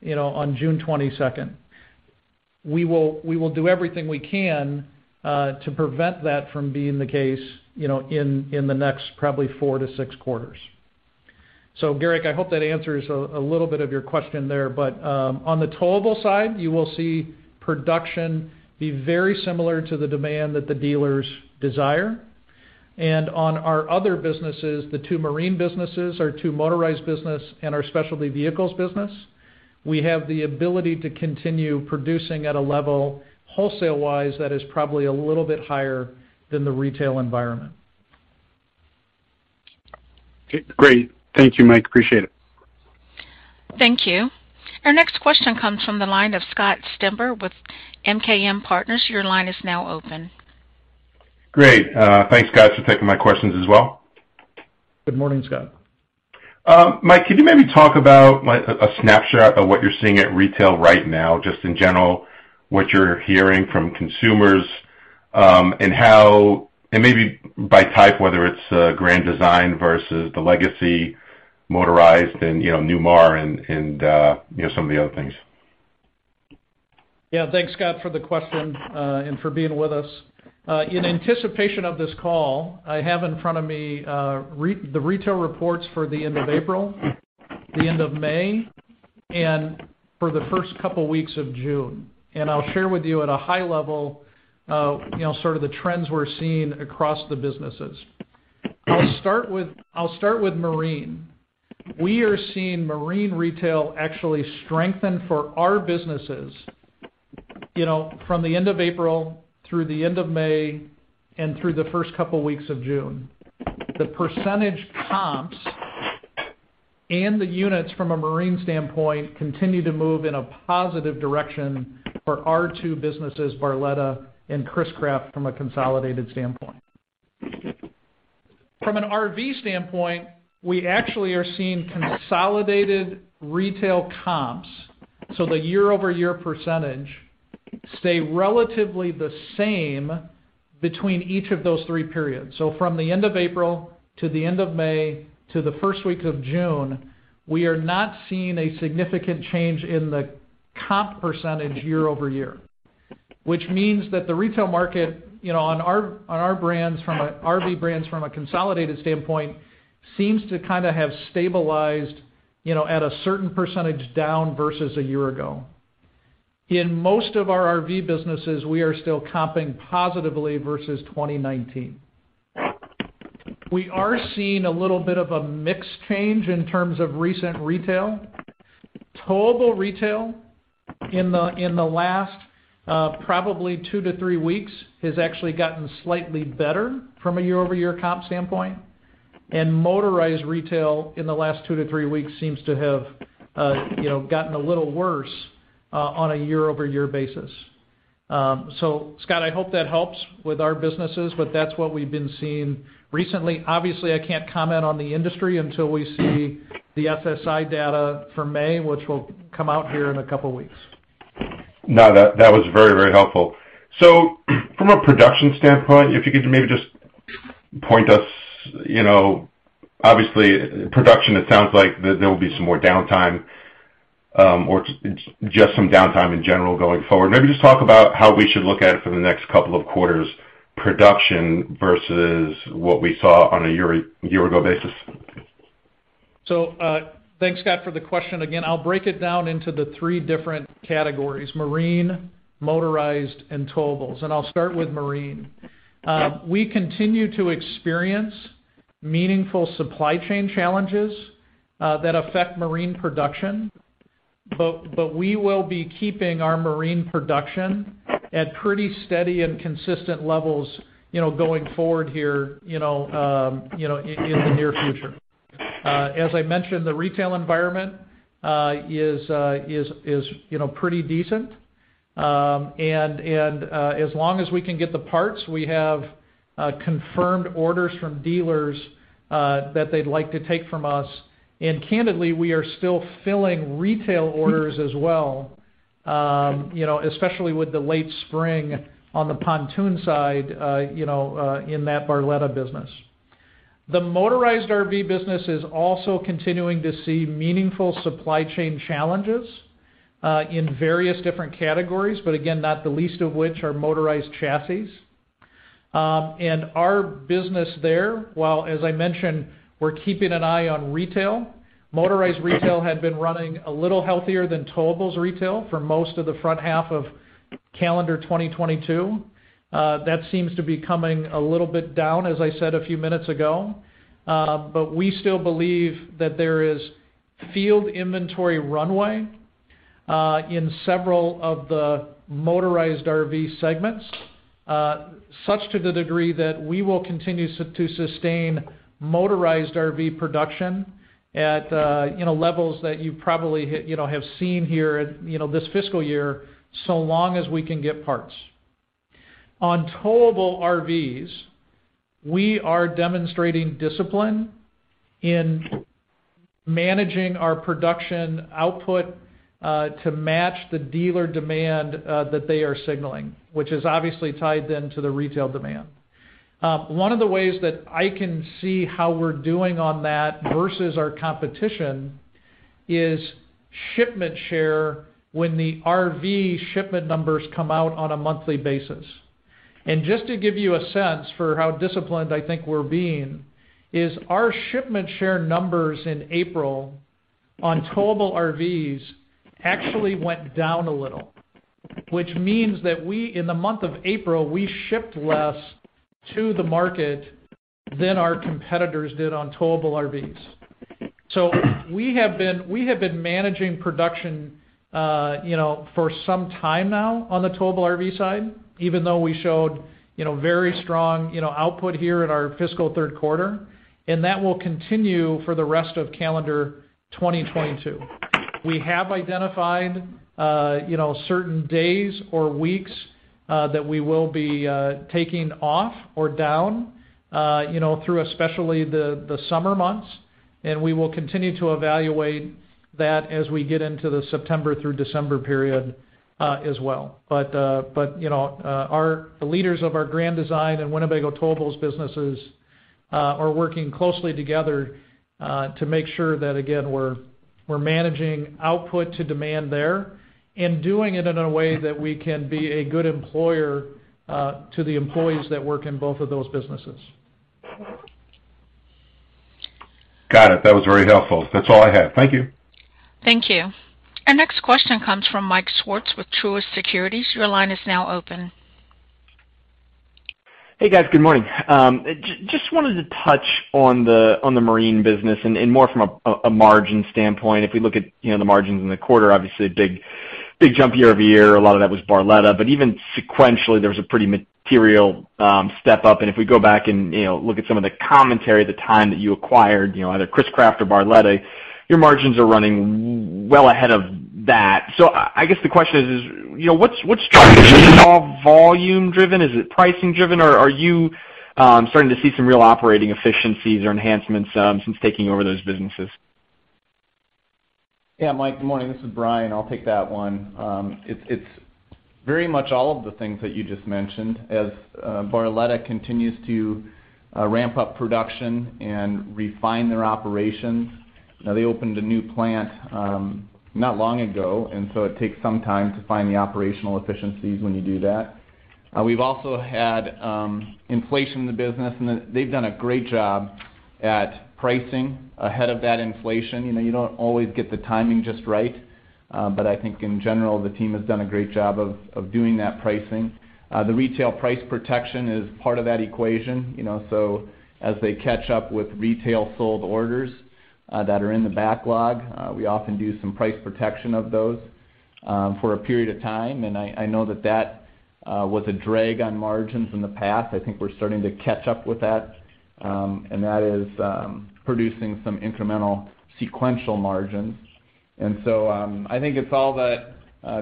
you know, on June 22. We will do everything we can to prevent that from being the case, you know, in the next probably 4-6 quarters. Garrick, I hope that answers a little bit of your question there. On the towable side, you will see production be very similar to the demand that the dealers desire. On our other businesses, the two marine businesses, our two motorized business and our specialty vehicles business, we have the ability to continue producing at a level wholesale-wise that is probably a little bit higher than the retail environment. Okay, great. Thank you, Mike. Appreciate it. Thank you. Our next question comes from the line of Scott Stember with MKM Partners. Your line is now open. Great. Thanks, Scott, for taking my questions as well. Good morning, Scott. Mike, could you maybe talk about like a snapshot of what you're seeing at retail right now, just in general, what you're hearing from consumers, and maybe by type, whether it's Grand Design versus the Legacy motorized and, you know, Newmar and some of the other things? Yeah. Thanks, Scott, for the question and for being with us. In anticipation of this call, I have in front of me the retail reports for the end of April, the end of May, and for the first couple weeks of June. I'll share with you at a high level, you know, sort of the trends we're seeing across the businesses. I'll start with marine. We are seeing marine retail actually strengthen for our businesses, you know, from the end of April through the end of May and through the first couple weeks of June. The percentage comps and the units from a marine standpoint continue to move in a positive direction for our two businesses, Barletta and Chris-Craft from a consolidated standpoint. From an RV standpoint, we actually are seeing consolidated retail comps. The year-over-year percentage stay relatively the same between each of those three periods. From the end of April, to the end of May, to the first week of June, we are not seeing a significant change in the comp percentage year-over-year. Which means that the retail market, you know, on our RV brands from a consolidated standpoint, seems to kinda have stabilized, you know, at a certain percentage down versus a year ago. In most of our RV businesses, we are still comping positively versus 2019. We are seeing a little bit of a mix change in terms of recent retail. Towable retail in the last, probably two to three weeks has actually gotten slightly better from a year-over-year comp standpoint. Motorized retail in the last 2-3 weeks seems to have, you know, gotten a little worse on a year-over-year basis. Scott, I hope that helps with our businesses, but that's what we've been seeing recently. Obviously, I can't comment on the industry until we see the SSI data for May, which will come out here in a couple weeks. No, that was very, very helpful. From a production standpoint, if you could maybe just point us, you know, obviously, production, it sounds like there will be some more downtime, or just some downtime in general going forward. Maybe just talk about how we should look at it for the next couple of quarters, production versus what we saw on a year-ago basis. Thanks, Scott, for the question. Again, I'll break it down into the three different categories, marine, motorized and towables. I'll start with marine. We continue to experience meaningful supply chain challenges that affect marine production, but we will be keeping our marine production at pretty steady and consistent levels, you know, going forward here, you know, in the near future. As I mentioned, the retail environment is, you know, pretty decent. As long as we can get the parts, we have confirmed orders from dealers that they'd like to take from us. Candidly, we are still filling retail orders as well, you know, especially with the late spring on the pontoon side, you know, in that Barletta business. The motorized RV business is also continuing to see meaningful supply chain challenges, in various different categories. Again, not the least of which are motorized chassis. Our business there, while as I mentioned, we're keeping an eye on retail, motorized retail had been running a little healthier than towables retail for most of the front half of calendar 2022. That seems to be coming a little bit down, as I said a few minutes ago. We still believe that there is field inventory runway, in several of the motorized RV segments, such to the degree that we will continue to sustain motorized RV production at, you know, levels that you probably, you know, have seen here at, you know, this fiscal year, so long as we can get parts. On towable RVs, we are demonstrating discipline in managing our production output to match the dealer demand that they are signaling, which is obviously tied then to the retail demand. One of the ways that I can see how we're doing on that versus our competition is shipment share when the RV shipment numbers come out on a monthly basis. Just to give you a sense for how disciplined I think we're being, our shipment share numbers in April on towable RVs actually went down a little, which means that in the month of April, we shipped less to the market than our competitors did on towable RVs. We have been managing production, you know, for some time now on the towable RV side, even though we showed, you know, very strong, you know, output here in our fiscal third quarter, and that will continue for the rest of calendar 2022. We have identified, you know, certain days or weeks that we will be taking off or down, you know, through especially the summer months, and we will continue to evaluate that as we get into the September through December period, as well. you know, our leaders of our Grand Design and Winnebago Towables businesses are working closely together to make sure that, again, we're managing output to demand there and doing it in a way that we can be a good employer to the employees that work in both of those businesses. Got it. That was very helpful. That's all I have. Thank you. Thank you. Our next question comes from Michael Swartz with Truist Securities. Your line is now open. Hey, guys. Good morning. Just wanted to touch on the marine business and more from a margin standpoint. If we look at, you know, the margins in the quarter, obviously a big jump year over year. A lot of that was Barletta, but even sequentially, there was a pretty material step up. If we go back and, you know, look at some of the commentary at the time that you acquired, you know, either Chris-Craft or Barletta, your margins are running well ahead of that. I guess the question is, you know, what's driving this? Is it all volume driven? Is it pricing driven, or are you starting to see some real operating efficiencies or enhancements since taking over those businesses? Yeah. Mike, good morning. This is Bryan. I'll take that one. It's very much all of the things that you just mentioned. As Barletta continues to ramp up production and refine their operations. Now, they opened a new plant not long ago, and so it takes some time to find the operational efficiencies when you do that. We've also had inflation in the business, and they've done a great job. In pricing ahead of that inflation, you know, you don't always get the timing just right. I think in general, the team has done a great job of doing that pricing. The retail price protection is part of that equation, you know, so as they catch up with retail sold orders, that are in the backlog, we often do some price protection of those, for a period of time. I know that was a drag on margins in the past. I think we're starting to catch up with that, and that is producing some incremental sequential margins. I think it's all that,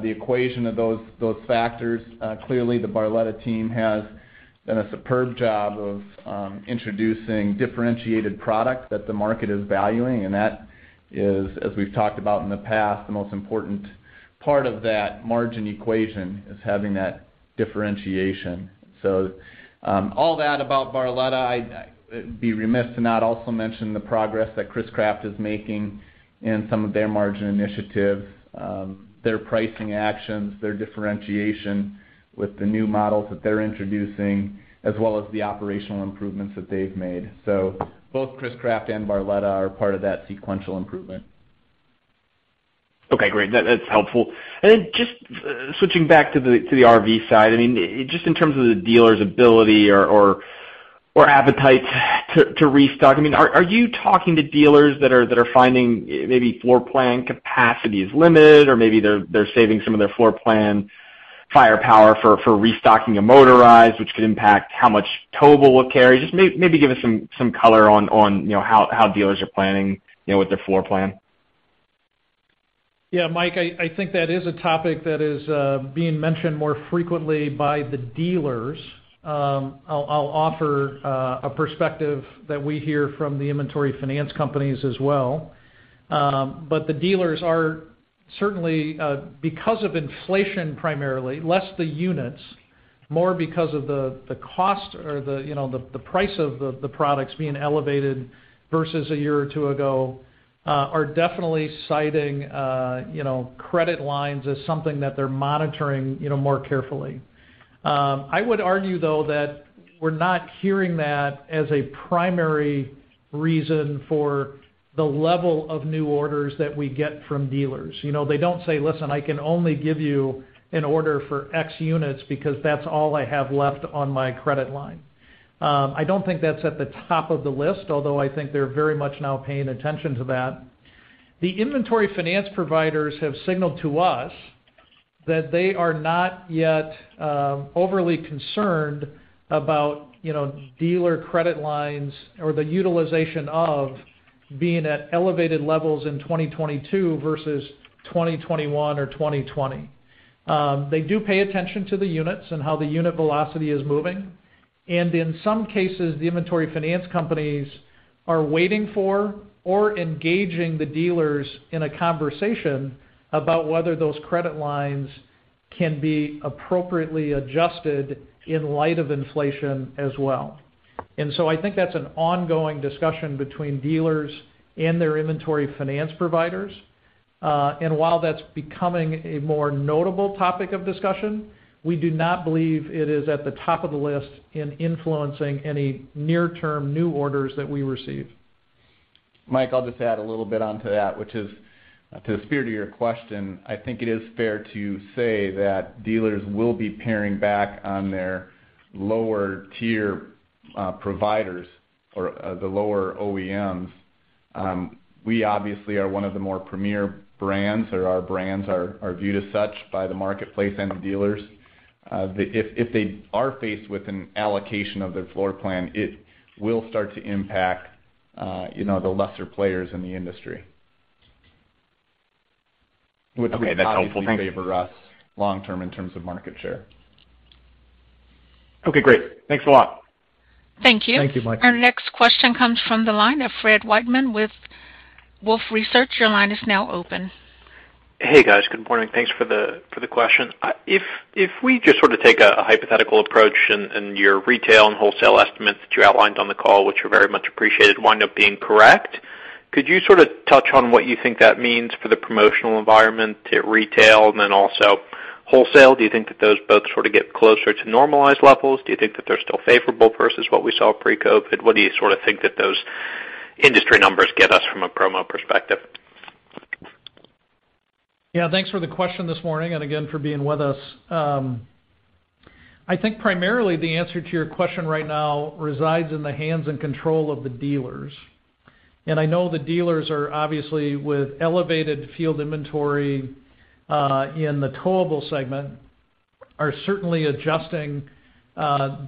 the equation of those factors. Clearly the Barletta team has done a superb job of introducing differentiated product that the market is valuing, and that is, as we've talked about in the past, the most important part of that margin equation, is having that differentiation. All that about Barletta, I'd be remiss to not also mention the progress that Chris-Craft is making in some of their margin initiatives, their pricing actions, their differentiation with the new models that they're introducing, as well as the operational improvements that they've made. Both Chris-Craft and Barletta are part of that sequential improvement. Okay, great. That's helpful. Then just switching back to the RV side, I mean, just in terms of the dealers' ability or appetite to restock, I mean, are you talking to dealers that are finding maybe floor plan capacity is limited, or maybe they're saving some of their floor plan firepower for restocking a motorized, which could impact how much towable will carry? Just maybe give us some color on, you know, how dealers are planning, you know, with their floor plan. Yeah, Mike, I think that is a topic that is being mentioned more frequently by the dealers. I'll offer a perspective that we hear from the inventory finance companies as well. The dealers are certainly, because of inflation primarily, less the units, more because of the cost or the price of the products being elevated versus a year or two ago, are definitely citing credit lines as something that they're monitoring more carefully. I would argue though that we're not hearing that as a primary reason for the level of new orders that we get from dealers. You know, they don't say, "Listen, I can only give you an order for X units because that's all I have left on my credit line." I don't think that's at the top of the list, although I think they're very much now paying attention to that. The inventory finance providers have signaled to us that they are not yet overly concerned about, you know, dealer credit lines or the utilization of being at elevated levels in 2022 versus 2021 or 2020. They do pay attention to the units and how the unit velocity is moving. In some cases, the inventory finance companies are waiting for or engaging the dealers in a conversation about whether those credit lines can be appropriately adjusted in light of inflation as well. I think that's an ongoing discussion between dealers and their inventory finance providers. While that's becoming a more notable topic of discussion, we do not believe it is at the top of the list in influencing any near-term new orders that we receive. Mike, I'll just add a little bit onto that, which is, to the spirit of your question, I think it is fair to say that dealers will be paring back on their lower-tier providers or the lower OEMs. We obviously are one of the more premier brands, or our brands are viewed as such by the marketplace and the dealers. If they are faced with an allocation of their floor plan, it will start to impact you know, the lesser players in the industry. Okay, that's helpful. Thank you. Which will obviously favor us long term in terms of market share. Okay, great. Thanks a lot. Thank you. Thank you, Mike. Our next question comes from the line of Fred Wightman with Wolfe Research. Your line is now open. Hey, guys. Good morning. Thanks for the question. If we just sort of take a hypothetical approach in your retail and wholesale estimates that you outlined on the call, which are very much appreciated, wind up being correct, could you sort of touch on what you think that means for the promotional environment at retail and then also wholesale? Do you think that those both sort of get closer to normalized levels? Do you think that they're still favorable versus what we saw pre-COVID? What do you sort of think that those industry numbers get us from a promo perspective? Yeah, thanks for the question this morning, and again, for being with us. I think primarily the answer to your question right now resides in the hands and control of the dealers. I know the dealers are obviously with elevated field inventory in the towable segment are certainly adjusting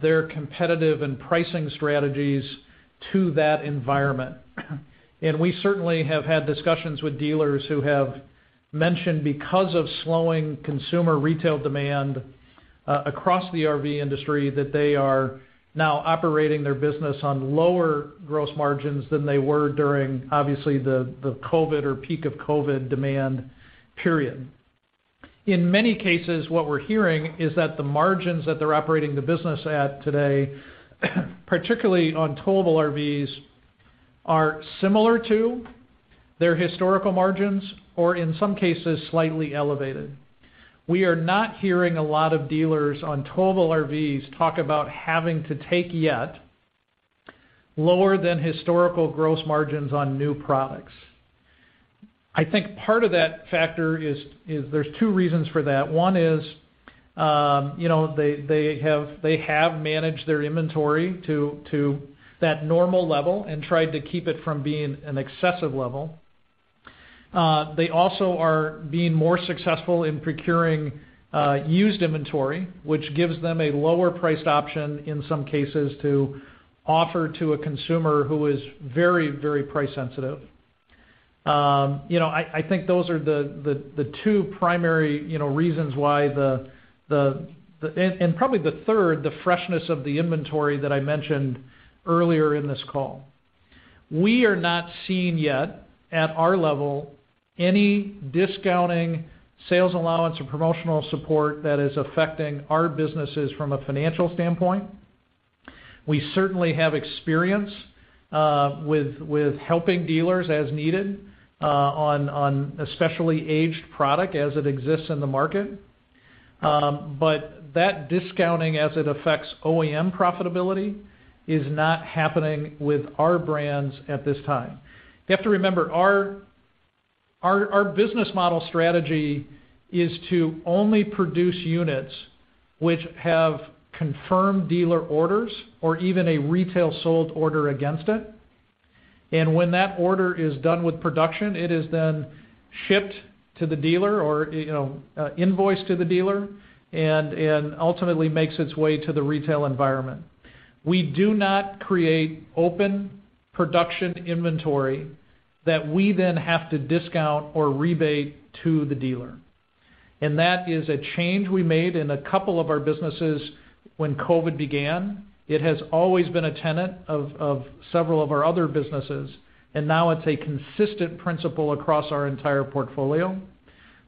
their competitive and pricing strategies to that environment. We certainly have had discussions with dealers who have mentioned because of slowing consumer retail demand across the RV industry that they are now operating their business on lower gross margins than they were during obviously the COVID or peak of COVID demand period. In many cases, what we're hearing is that the margins that they're operating the business at today, particularly on towable RVs, are similar to their historical margins or in some cases, slightly elevated. We are not hearing a lot of dealers on towable RVs talk about having to take yet lower than historical gross margins on new products. I think part of that factor is, there's two reasons for that. One is, you know, they have managed their inventory to that normal level and tried to keep it from being an excessive level. They also are being more successful in procuring used inventory, which gives them a lower-priced option in some cases to offer to a consumer who is very, very price sensitive. You know, I think those are the two primary, you know, reasons why the and probably the third, the freshness of the inventory that I mentioned earlier in this call. We are not seeing yet, at our level, any discounting sales allowance or promotional support that is affecting our businesses from a financial standpoint. We certainly have experience with helping dealers as needed on especially aged product as it exists in the market. But that discounting as it affects OEM profitability is not happening with our brands at this time. You have to remember, our business model strategy is to only produce units which have confirmed dealer orders or even a retail sold order against it. When that order is done with production, it is then shipped to the dealer or, you know, invoiced to the dealer and ultimately makes its way to the retail environment. We do not create open production inventory that we then have to discount or rebate to the dealer. That is a change we made in a couple of our businesses when COVID began. It has always been a tenet of several of our other businesses, and now it's a consistent principle across our entire portfolio.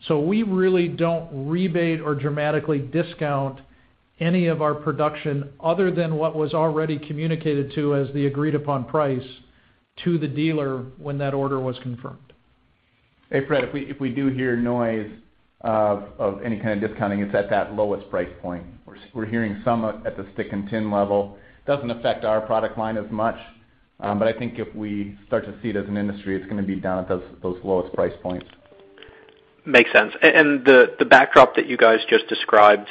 We really don't rebate or dramatically discount any of our production other than what was already communicated to as the agreed-upon price to the dealer when that order was confirmed. Hey, Fred, if we do hear noise of any kind of discounting, it's at that lowest price point. We're hearing some at the stick and tin level. Doesn't affect our product line as much, but I think if we start to see it as an industry, it's gonna be down at those lowest price points. Makes sense. The backdrop that you guys just described,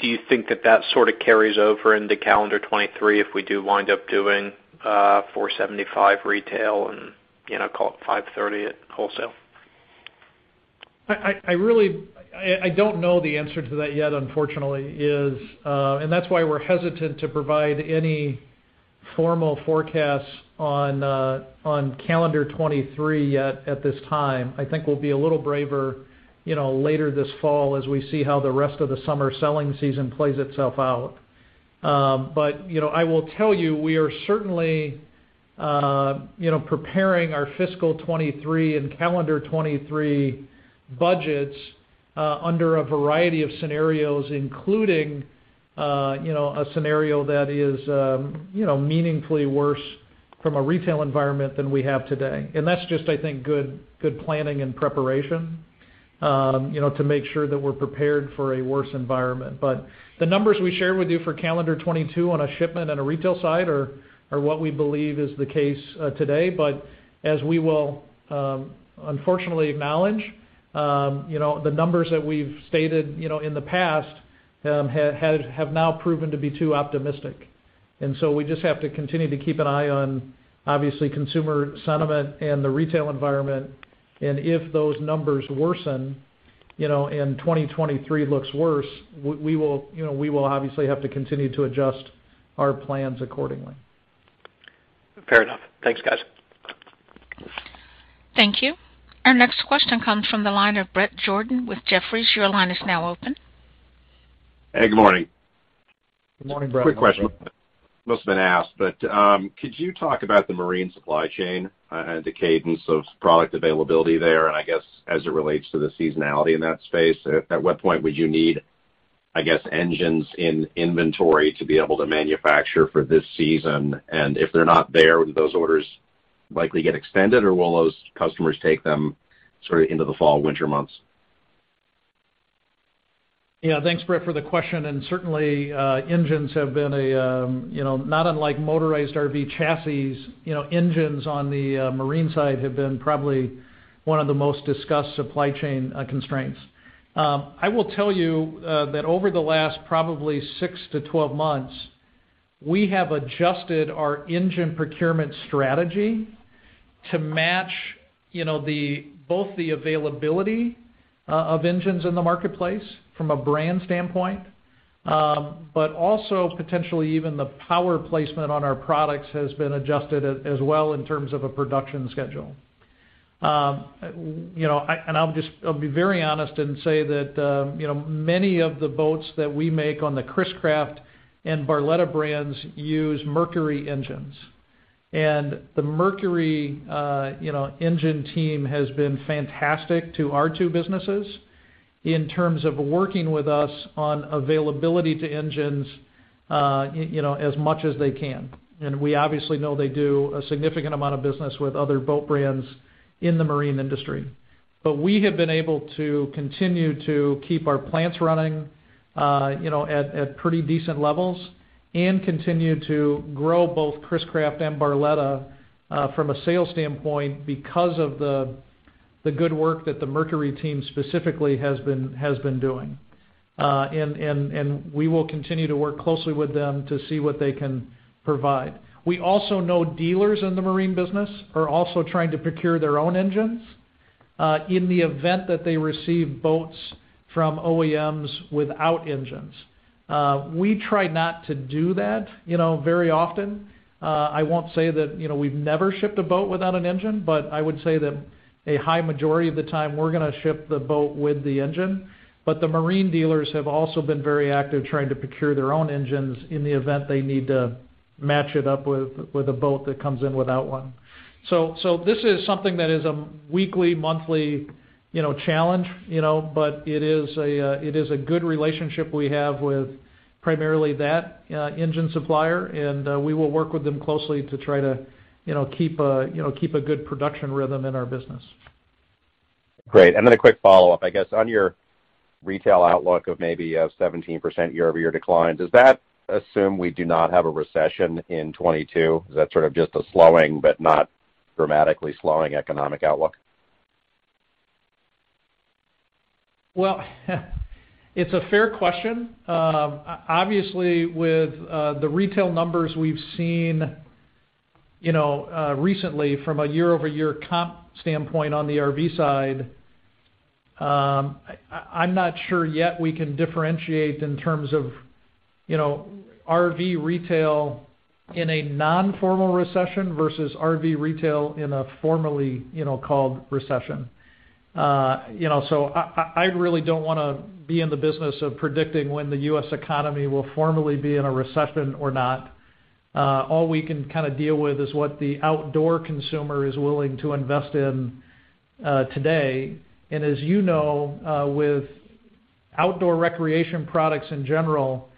do you think that sort of carries over into calendar 2023 if we do wind up doing 475 retail and, you know, call it 530 at wholesale? I really don't know the answer to that yet, unfortunately. That's why we're hesitant to provide any formal forecasts on calendar 2023 yet at this time. I think we'll be a little braver, you know, later this fall as we see how the rest of the summer selling season plays itself out. You know, I will tell you, we are certainly, you know, preparing our fiscal 2023 and calendar 2023 budgets under a variety of scenarios, including, you know, a scenario that is, you know, meaningfully worse from a retail environment than we have today. That's just, I think, good planning and preparation, you know, to make sure that we're prepared for a worse environment. The numbers we shared with you for calendar 2022 on a shipment and a retail side are what we believe is the case today. As we will unfortunately acknowledge, you know, the numbers that we've stated, you know, in the past, have now proven to be too optimistic. We just have to continue to keep an eye on, obviously, consumer sentiment and the retail environment. If those numbers worsen, you know, and 2023 looks worse, we will, you know, we will obviously have to continue to adjust our plans accordingly. Fair enough. Thanks, guys. Thank you. Our next question comes from the line of Bret Jordan with Jefferies. Your line is now open. Hey, good morning. Good morning, Bret. Quick question. Must have been asked, but, could you talk about the marine supply chain, and the cadence of product availability there, and I guess, as it relates to the seasonality in that space, at what point would you need, I guess, engines in inventory to be able to manufacture for this season? And if they're not there, would those orders likely get extended, or will those customers take them sort of into the fall/winter months? Yeah. Thanks, Brett, for the question. Certainly, engines have been a, you know, not unlike motorized RV chassis. You know, engines on the marine side have been probably one of the most discussed supply chain constraints. I will tell you that over the last probably 6-12 months, we have adjusted our engine procurement strategy to match, you know, the both the availability of engines in the marketplace from a brand standpoint, but also potentially even the power placement on our products has been adjusted as well in terms of a production schedule. You know, and I'll just be very honest and say that, you know, many of the boats that we make on the Chris-Craft and Barletta brands use Mercury engines. The Mercury engine team has been fantastic to our two businesses. In terms of working with us on availability to engines, you know, as much as they can. We obviously know they do a significant amount of business with other boat brands in the marine industry. We have been able to continue to keep our plants running, you know, at pretty decent levels and continue to grow both Chris-Craft and Barletta from a sales standpoint because of the good work that the Mercury team specifically has been doing. We will continue to work closely with them to see what they can provide. We also know dealers in the marine business are also trying to procure their own engines in the event that they receive boats from OEMs without engines. We try not to do that, you know, very often. I won't say that, you know, we've never shipped a boat without an engine, but I would say that a high majority of the time we're gonna ship the boat with the engine. The marine dealers have also been very active trying to procure their own engines in the event they need to match it up with a boat that comes in without one. This is something that is a weekly, monthly, you know, challenge, you know, but it is a good relationship we have with primarily that engine supplier, and we will work with them closely to try to, you know, keep a good production rhythm in our business. Great. A quick follow-up, I guess. On your retail outlook of maybe a 17% year-over-year decline, does that assume we do not have a recession in 2022? Is that sort of just a slowing, but not dramatically slowing economic outlook? Well, it's a fair question. Obviously, with the retail numbers we've seen, you know, recently from a year-over-year comp standpoint on the RV side, I'm not sure yet we can differentiate in terms of, you know, RV retail in a non-formal recession versus RV retail in a formally, you know, called recession. I really don't wanna be in the business of predicting when the U.S. economy will formally be in a recession or not. All we can kind of deal with is what the outdoor consumer is willing to invest in today. As you know, with outdoor recreation products in general,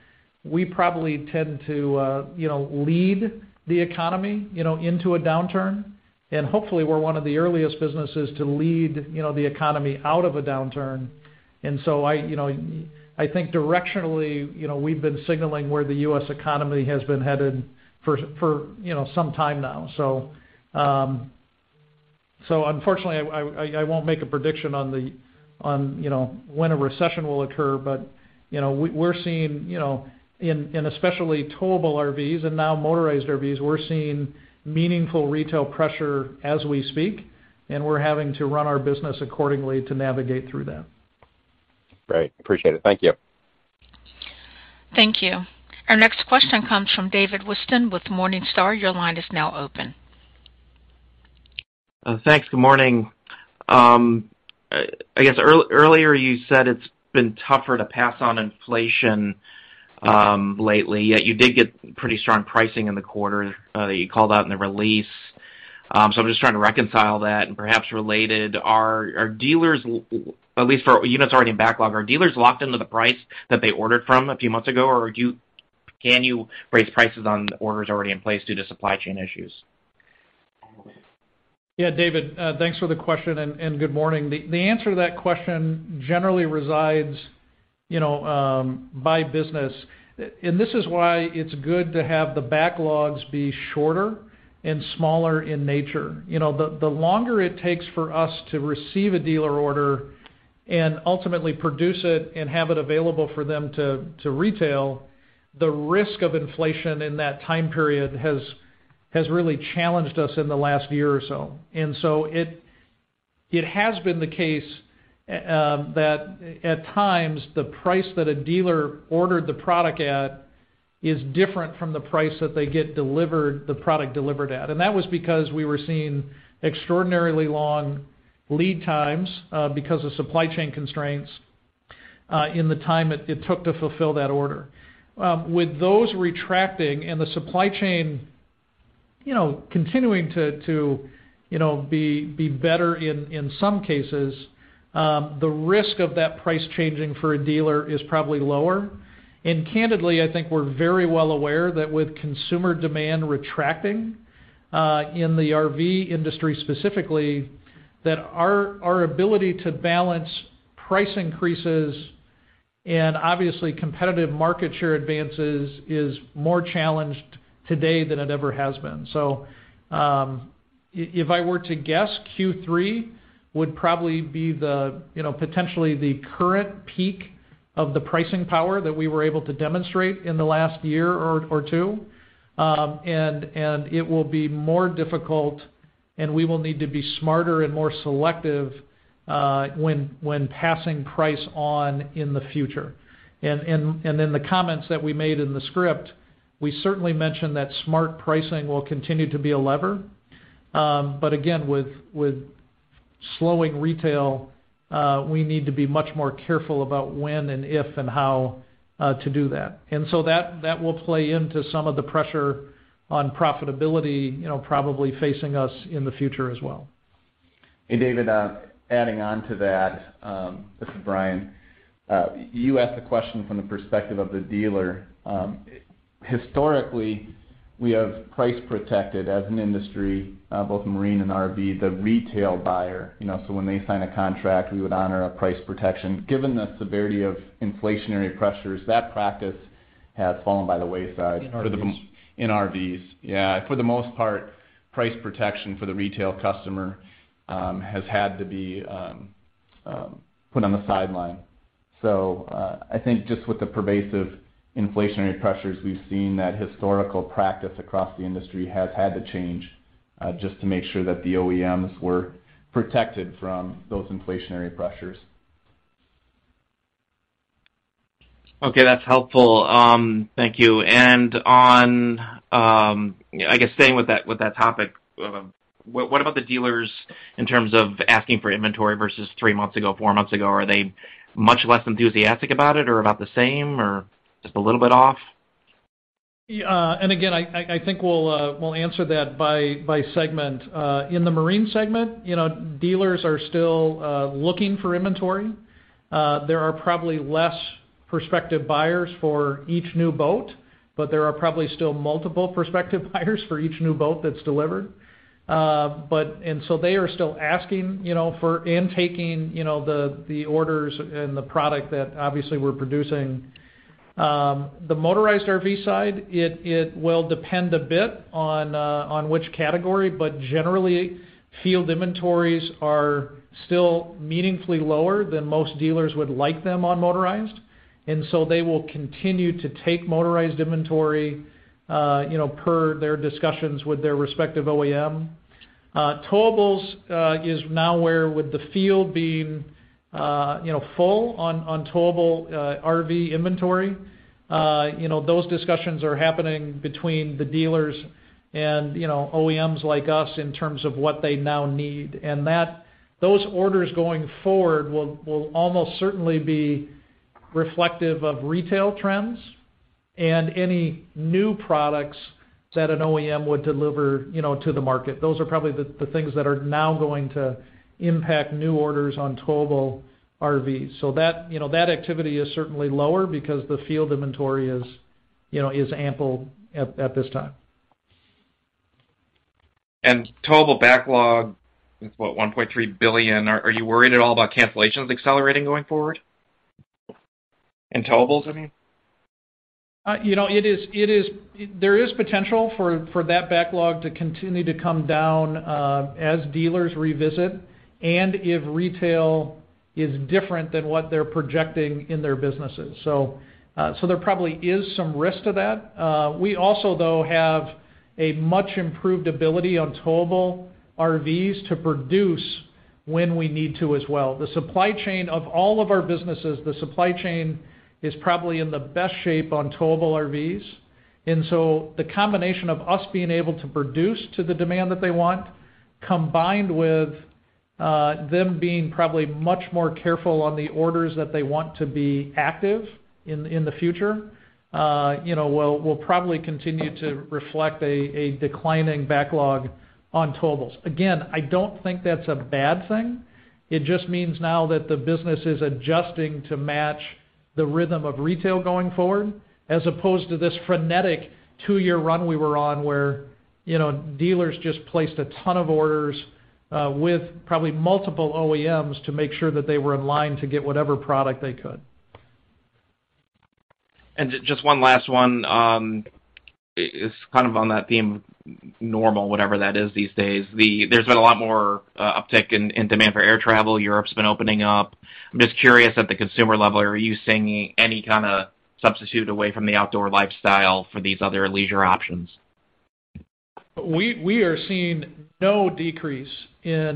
we probably tend to, you know, lead the economy, you know, into a downturn. Hopefully, we're one of the earliest businesses to lead, you know, the economy out of a downturn. I think directionally, we've been signaling where the U.S. economy has been headed for some time now. Unfortunately, I won't make a prediction on when a recession will occur. We're seeing, in especially towable RVs and now motorized RVs, meaningful retail pressure as we speak, and we're having to run our business accordingly to navigate through that. Great. Appreciate it. Thank you. Thank you. Our next question comes from David Whiston with Morningstar. Your line is now open. Thanks. Good morning. I guess earlier you said it's been tougher to pass on inflation lately, yet you did get pretty strong pricing in the quarter that you called out in the release. I'm just trying to reconcile that. Perhaps related, are dealers, at least for units already in backlog, locked into the price that they ordered from a few months ago, or can you raise prices on orders already in place due to supply chain issues? Yeah, David, thanks for the question and good morning. The answer to that question generally resides, you know, by business. This is why it's good to have the backlogs be shorter and smaller in nature. You know, the longer it takes for us to receive a dealer order and ultimately produce it and have it available for them to retail, the risk of inflation in that time period has really challenged us in the last year or so. It has been the case that at times the price that a dealer ordered the product at is different from the price that they get the product delivered at. That was because we were seeing extraordinarily long lead times, because of supply chain constraints, in the time it took to fulfill that order. With those retracting and the supply chain, you know, continuing to be better in some cases, the risk of that price changing for a dealer is probably lower. Candidly, I think we're very well aware that with consumer demand retracting in the RV industry specifically, that our ability to balance price increases and obviously competitive market share advances is more challenged today than it ever has been. If I were to guess, Q3 would probably be the you know, potentially the current peak of the pricing power that we were able to demonstrate in the last year or two. It will be more difficult, and we will need to be smarter and more selective when passing price on in the future. In the comments that we made in the script, we certainly mentioned that smart pricing will continue to be a lever. But again, with slowing retail, we need to be much more careful about when and if and how to do that. That will play into some of the pressure on profitability, you know, probably facing us in the future as well. David, adding on to that, this is Brian. You asked the question from the perspective of the dealer. Historically, we have price protected as an industry, both marine and RV, the retail buyer, you know. When they sign a contract, we would honor a price protection. Given the severity of inflationary pressures, that practice has fallen by the wayside. In RVs. In RVs. Yeah. For the most part, price protection for the retail customer has had to be put on the sideline. I think just with the pervasive inflationary pressures we've seen, that historical practice across the industry has had to change just to make sure that the OEMs were protected from those inflationary pressures. Okay. That's helpful. Thank you. On, I guess staying with that topic, what about the dealers in terms of asking for inventory versus three months ago, four months ago? Are they much less enthusiastic about it or about the same, or just a little bit off? Yeah. Again, I think we'll answer that by segment. In the marine segment, you know, dealers are still looking for inventory. There are probably less prospective buyers for each new boat, but there are probably still multiple prospective buyers for each new boat that's delivered. But they are still asking, you know, and taking, you know, the orders and the product that obviously we're producing. The motorized RV side, it will depend a bit on which category, but generally, field inventories are still meaningfully lower than most dealers would like them on motorized. They will continue to take motorized inventory, you know, per their discussions with their respective OEM. Towables is now where with the field being, you know, full on towable RV inventory, you know, those discussions are happening between the dealers and, you know, OEMs like us in terms of what they now need. That those orders going forward will almost certainly be reflective of retail trends and any new products that an OEM would deliver, you know, to the market. Those are probably the things that are now going to impact new orders on towable RVs. That activity is certainly lower because the field inventory is, you know, ample at this time. Towable backlog is what? $1.3 billion. Are you worried at all about cancellations accelerating going forward? In towables, I mean. You know, there is potential for that backlog to continue to come down, as dealers revisit and if retail is different than what they're projecting in their businesses. So there probably is some risk to that. We also though have a much improved ability on towable RVs to produce when we need to as well. The supply chain of all of our businesses is probably in the best shape on towable RVs. The combination of us being able to produce to the demand that they want, combined with them being probably much more careful on the orders that they want to be active in in the future, you know, will probably continue to reflect a declining backlog on towables. Again, I don't think that's a bad thing. It just means now that the business is adjusting to match the rhythm of retail going forward, as opposed to this frenetic two-year run we were on where, you know, dealers just placed a ton of orders with probably multiple OEMs to make sure that they were in line to get whatever product they could. Just one last one is kind of on that theme, normal, whatever that is these days. There's been a lot more uptick in demand for air travel. Europe's been opening up. I'm just curious at the consumer level, are you seeing any kind of substitute away from the outdoor lifestyle for these other leisure options? We are seeing no decrease in, you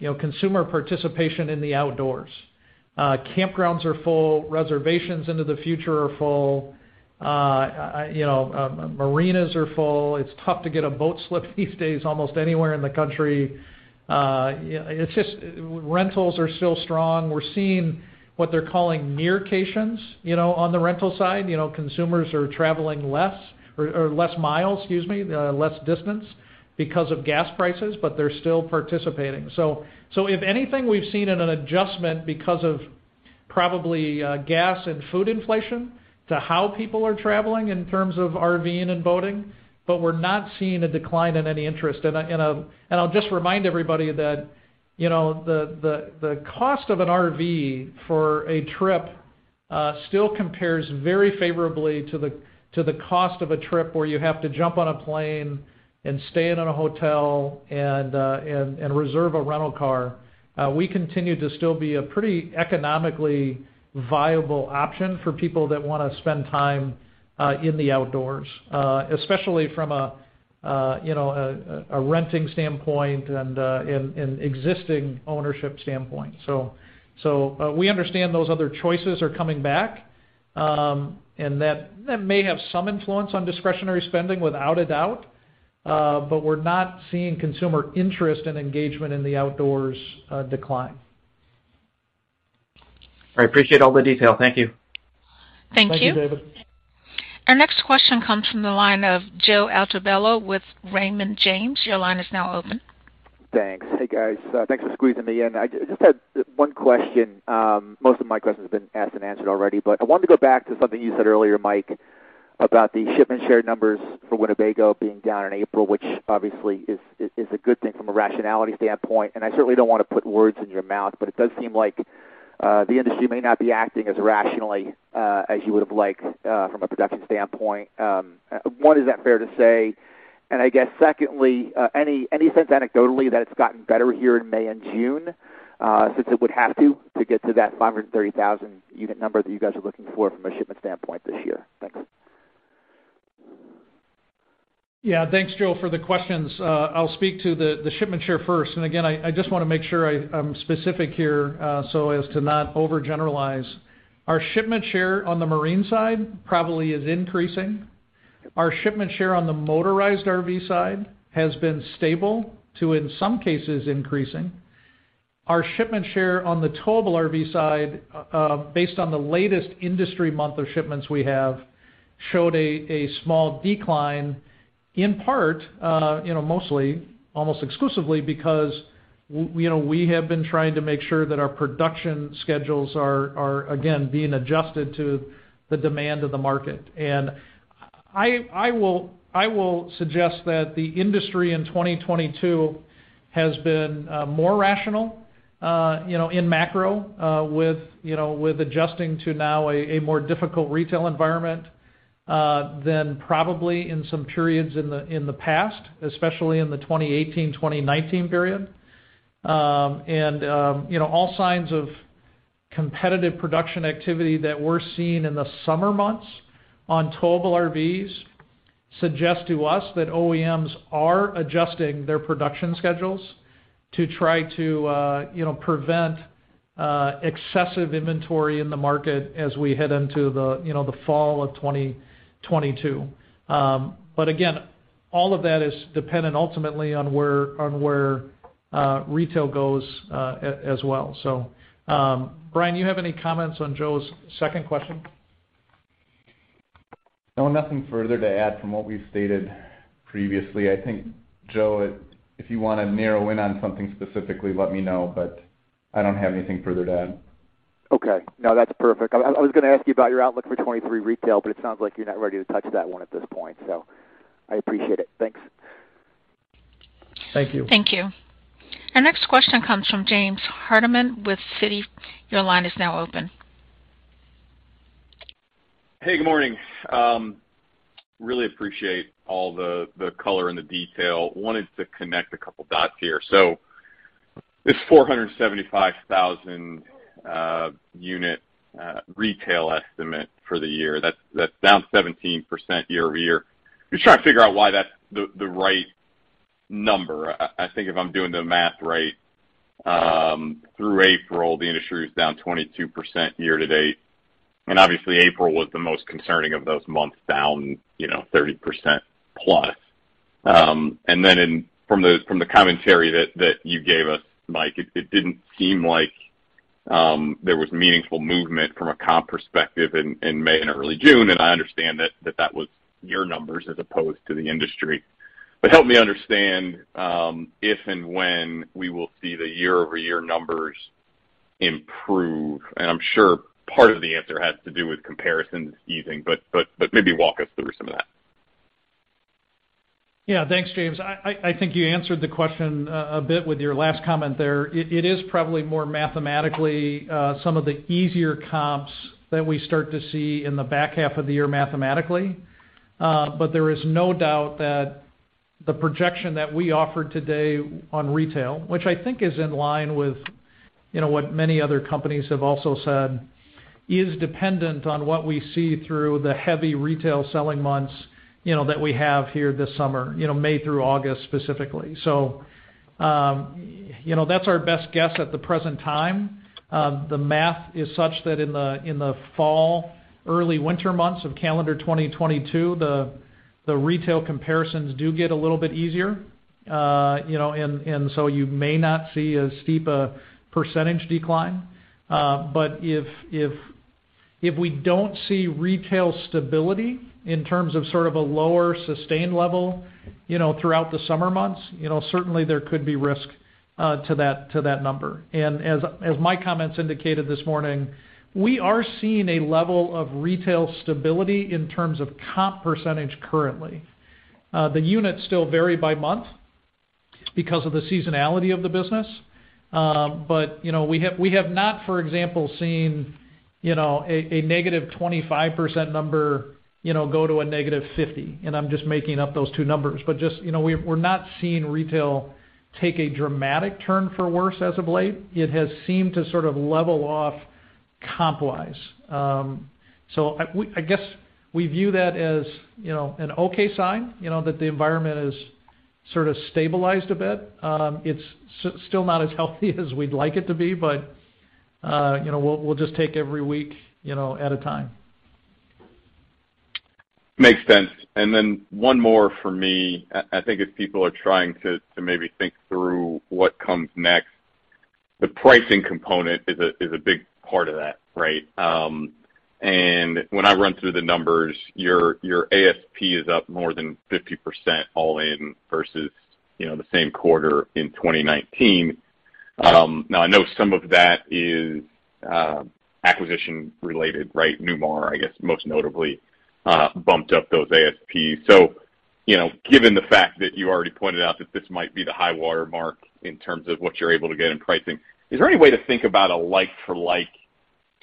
know, consumer participation in the outdoors. Campgrounds are full. Reservations into the future are full. Marinas are full. It's tough to get a boat slip these days almost anywhere in the country. Rentals are still strong. We're seeing what they're calling near-cations, you know, on the rental side. You know, consumers are traveling less miles, excuse me, less distance because of gas prices, but they're still participating. If anything, we've seen an adjustment because of probably gas and food inflation to how people are traveling in terms of RV and in boating, but we're not seeing a decline in any interest. I'll just remind everybody that, you know, the cost of an RV for a trip still compares very favorably to the cost of a trip where you have to jump on a plane and stay in a hotel and reserve a rental car. We continue to still be a pretty economically viable option for people that wanna spend time in the outdoors, especially from a renting standpoint and an existing ownership standpoint. We understand those other choices are coming back and that may have some influence on discretionary spending without a doubt, but we're not seeing consumer interest and engagement in the outdoors decline. I appreciate all the detail. Thank you. Thank you. Thank you, David. Our next question comes from the line of Joe Altobello with Raymond James. Your line is now open. Thanks. Hey, guys. Thanks for squeezing me in. I just had one question. Most of my questions have been asked and answered already, but I wanted to go back to something you said earlier, Mike, about the shipment share numbers for Winnebago being down in April, which obviously is a good thing from a rationality standpoint. I certainly don't wanna put words in your mouth, but it does seem like the industry may not be acting as rationally as you would have liked from a production standpoint. One, is that fair to say? I guess secondly, any sense anecdotally that it's gotten better here in May and June since it would have to get to that 530,000 unit number that you guys are looking for from a shipment standpoint this year? Thanks. Yeah. Thanks, Joe, for the questions. I'll speak to the shipment share first. Again, I just wanna make sure I'm specific here, so as to not overgeneralize. Our shipment share on the marine side probably is increasing. Our shipment share on the motorized RV side has been stable to, in some cases, increasing. Our shipment share on the towable RV side, based on the latest industry month of shipments we have, showed a small decline in part, you know, mostly, almost exclusively, because we know we have been trying to make sure that our production schedules are, again, being adjusted to the demand of the market. I will suggest that the industry in 2022 has been more rational, you know, in macro, with, you know, with adjusting to now a more difficult retail environment, than probably in some periods in the past, especially in the 2018, 2019 period. You know, all signs of competitive production activity that we're seeing in the summer months on towable RVs suggest to us that OEMs are adjusting their production schedules to try to, you know, prevent excessive inventory in the market as we head into the fall of 2022. Again, all of that is dependent ultimately on where retail goes, as well. Bryan, you have any comments on Joe's second question? No, nothing further to add from what we've stated previously. I think, Joe, if you wanna narrow in on something specifically, let me know, but I don't have anything further to add. Okay. No, that's perfect. I was gonna ask you about your outlook for 2023 retail, but it sounds like you're not ready to touch that one at this point, so I appreciate it. Thanks. Thank you. Thank you. Our next question comes from James Hardiman with Citi. Your line is now open. Hey, good morning. Really appreciate all the color and the detail. Wanted to connect a couple dots here. This 475,000 unit retail estimate for the year, that's down 17% year-over-year. Just trying to figure out why that's the right number. I think if I'm doing the math right, through April, the industry was down 22% year-to-date, and obviously April was the most concerning of those months down, you know, 30% plus. From the commentary that you gave us, Mike, it didn't seem like there was meaningful movement from a comp perspective in May and early June, and I understand that that was your numbers as opposed to the industry. Help me understand if and when we will see the year-over-year numbers improve. I'm sure part of the answer has to do with comparisons easing, but maybe walk us through some of that. Yeah. Thanks, James. I think you answered the question a bit with your last comment there. It is probably more mathematically some of the easier comps that we start to see in the back half of the year mathematically. There is no doubt that the projection that we offered today on retail, which I think is in line with, you know, what many other companies have also said, is dependent on what we see through the heavy retail selling months, you know, that we have here this summer, you know, May through August specifically. You know, that's our best guess at the present time. The math is such that in the fall, early winter months of calendar 2022, the retail comparisons do get a little bit easier, you know, and so you may not see as steep a percentage decline. If we don't see retail stability in terms of sort of a lower sustained level, you know, throughout the summer months, you know, certainly there could be risk to that number. As my comments indicated this morning, we are seeing a level of retail stability in terms of comp percentage currently. The units still vary by month because of the seasonality of the business. You know, we have not, for example, seen a -25% number go to a -50%, and I'm just making up those two numbers. Just, you know, we're not seeing retail take a dramatic turn for the worse as of late. It has seemed to sort of level off comp-wise. I guess we view that as an okay sign that the environment has sort of stabilized a bit. It's still not as healthy as we'd like it to be, but you know, we'll just take every week at a time. Makes sense. One more for me. I think as people are trying to maybe think through what comes next, the pricing component is a big part of that, right? And when I run through the numbers, your ASP is up more than 50% all in versus, you know, the same quarter in 2019. Now I know some of that is acquisition related, right? Newmar, I guess, most notably, bumped up those ASPs. You know, given the fact that you already pointed out that this might be the high water mark in terms of what you're able to get in pricing, is there any way to think about a like-for-like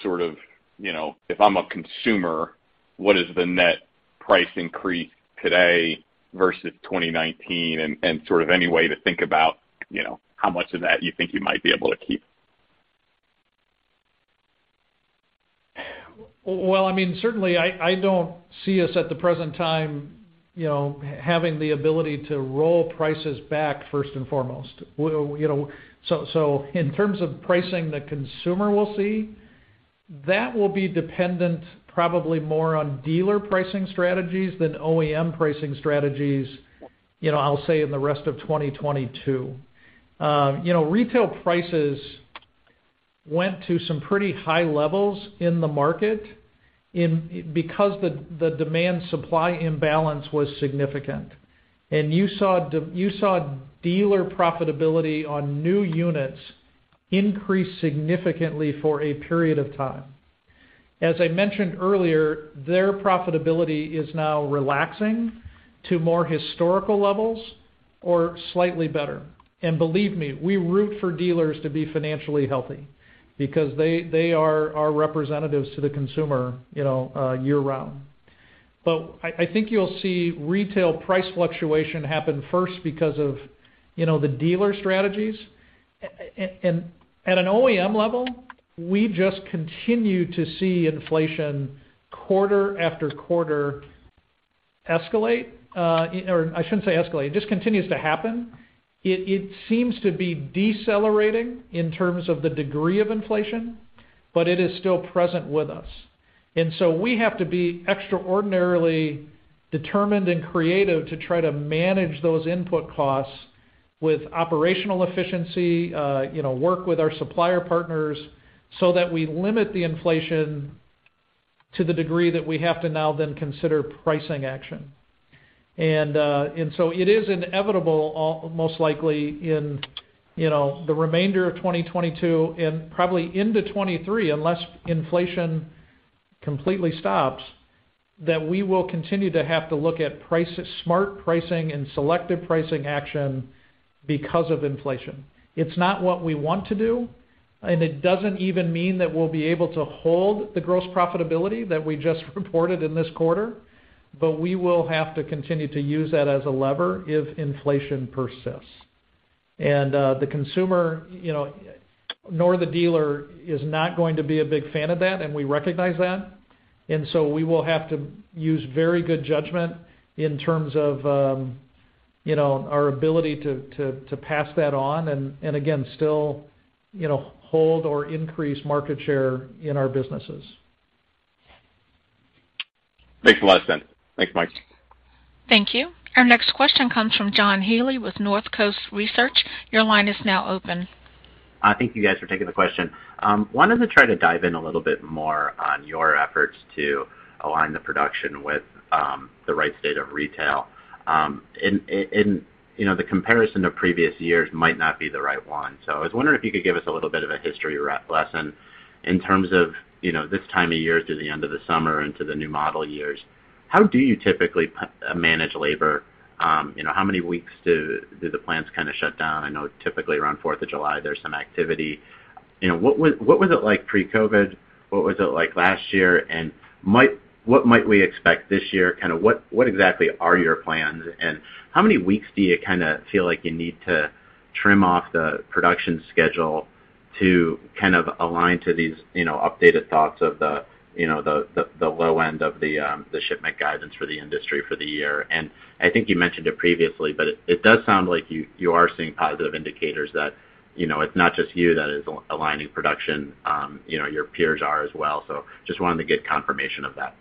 sort of, you know, if I'm a consumer, what is the net price increase today versus 2019, and sort of any way to think about, you know, how much of that you think you might be able to keep? Well, I mean, certainly, I don't see us at the present time, you know, having the ability to roll prices back first and foremost. You know, in terms of pricing the consumer will see, that will be dependent probably more on dealer pricing strategies than OEM pricing strategies, you know, I'll say in the rest of 2022. You know, retail prices went to some pretty high levels in the market because the demand supply imbalance was significant. You saw dealer profitability on new units increase significantly for a period of time. As I mentioned earlier, their profitability is now relaxing to more historical levels or slightly better. Believe me, we root for dealers to be financially healthy because they are our representatives to the consumer, you know, year-round. I think you'll see retail price fluctuation happen first because of, you know, the dealer strategies. At an OEM level, we just continue to see inflation quarter after quarter escalate. Or I shouldn't say escalate, it just continues to happen. It seems to be decelerating in terms of the degree of inflation, but it is still present with us. We have to be extraordinarily determined and creative to try to manage those input costs with operational efficiency, you know, work with our supplier partners so that we limit the inflation to the degree that we have to now then consider pricing action. It is inevitable most likely in, you know, the remainder of 2022 and probably into 2023, unless inflation completely stops, that we will continue to have to look at prices, smart pricing and selective pricing action because of inflation. It's not what we want to do, and it doesn't even mean that we'll be able to hold the gross profitability that we just reported in this quarter. We will have to continue to use that as a lever if inflation persists. The consumer, you know, nor the dealer is not going to be a big fan of that, and we recognize that. We will have to use very good judgment in terms of, you know, our ability to pass that on and again, still, you know, hold or increase market share in our businesses. Thanks a lot, Steve. Thanks, Mike. Thank you. Our next question comes from John Healy with Northcoast Research. Your line is now open. Thank you guys for taking the question. Wanted to try to dive in a little bit more on your efforts to align the production with the right state of retail. You know, the comparison to previous years might not be the right one. I was wondering if you could give us a little bit of a history lesson in terms of, you know, this time of year through the end of the summer into the new model years. How do you typically manage labor? You know, how many weeks do the plants kinda shut down? I know typically around Fourth of July, there's some activity. You know, what was it like pre-COVID? What was it like last year? What might we expect this year? Kinda what exactly are your plans? How many weeks do you kinda feel like you need to trim off the production schedule to kind of align to these, you know, updated thoughts of the, you know, the low end of the shipment guidance for the industry for the year? I think you mentioned it previously, but it does sound like you are seeing positive indicators that, you know, it's not just you that is aligning production, you know, your peers are as well. Just wanted to get confirmation of that.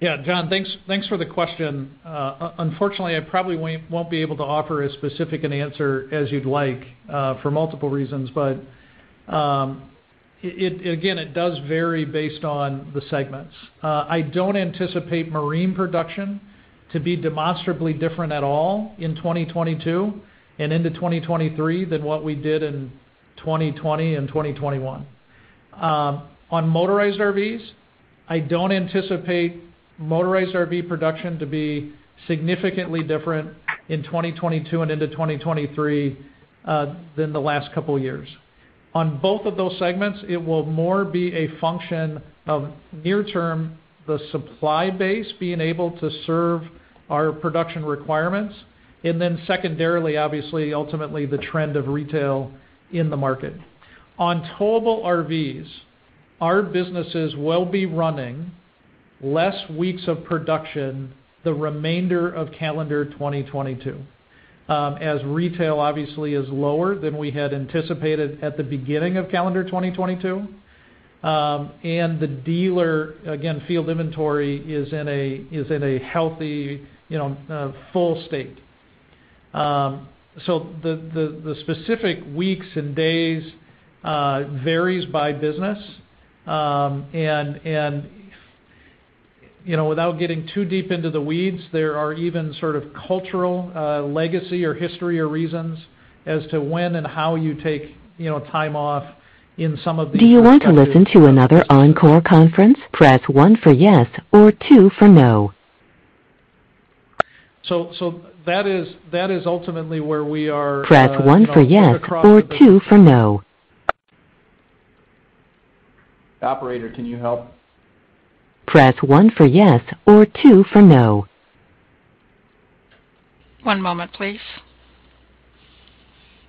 Yeah, John, thanks for the question. Unfortunately, I probably won't be able to offer as specific an answer as you'd like for multiple reasons. It again does vary based on the segments. I don't anticipate marine production to be demonstrably different at all in 2022 and into 2023 than what we did in 2020 and 2021. On motorized RVs, I don't anticipate motorized RV production to be significantly different in 2022 and into 2023 than the last couple years. On both of those segments, it will more be a function of near term, the supply base being able to serve our production requirements, and then secondarily, obviously, ultimately the trend of retail in the market. On towable RVs, our businesses will be running less weeks of production the remainder of calendar 2022, as retail obviously is lower than we had anticipated at the beginning of calendar 2022. The dealer, again, field inventory is in a healthy, you know, full state. The specific weeks and days varies by business. You know, without getting too deep into the weeds, there are even sort of cultural, legacy or history or reasons as to when and how you take, you know, time off in some of these. Do you want to listen to another Encore conference? Press one for yes or two for no. that is ultimately where we are. Press one for yes or two for no. You know, right across the business. Operator, can you help? Press one for yes or two for no. One moment, please.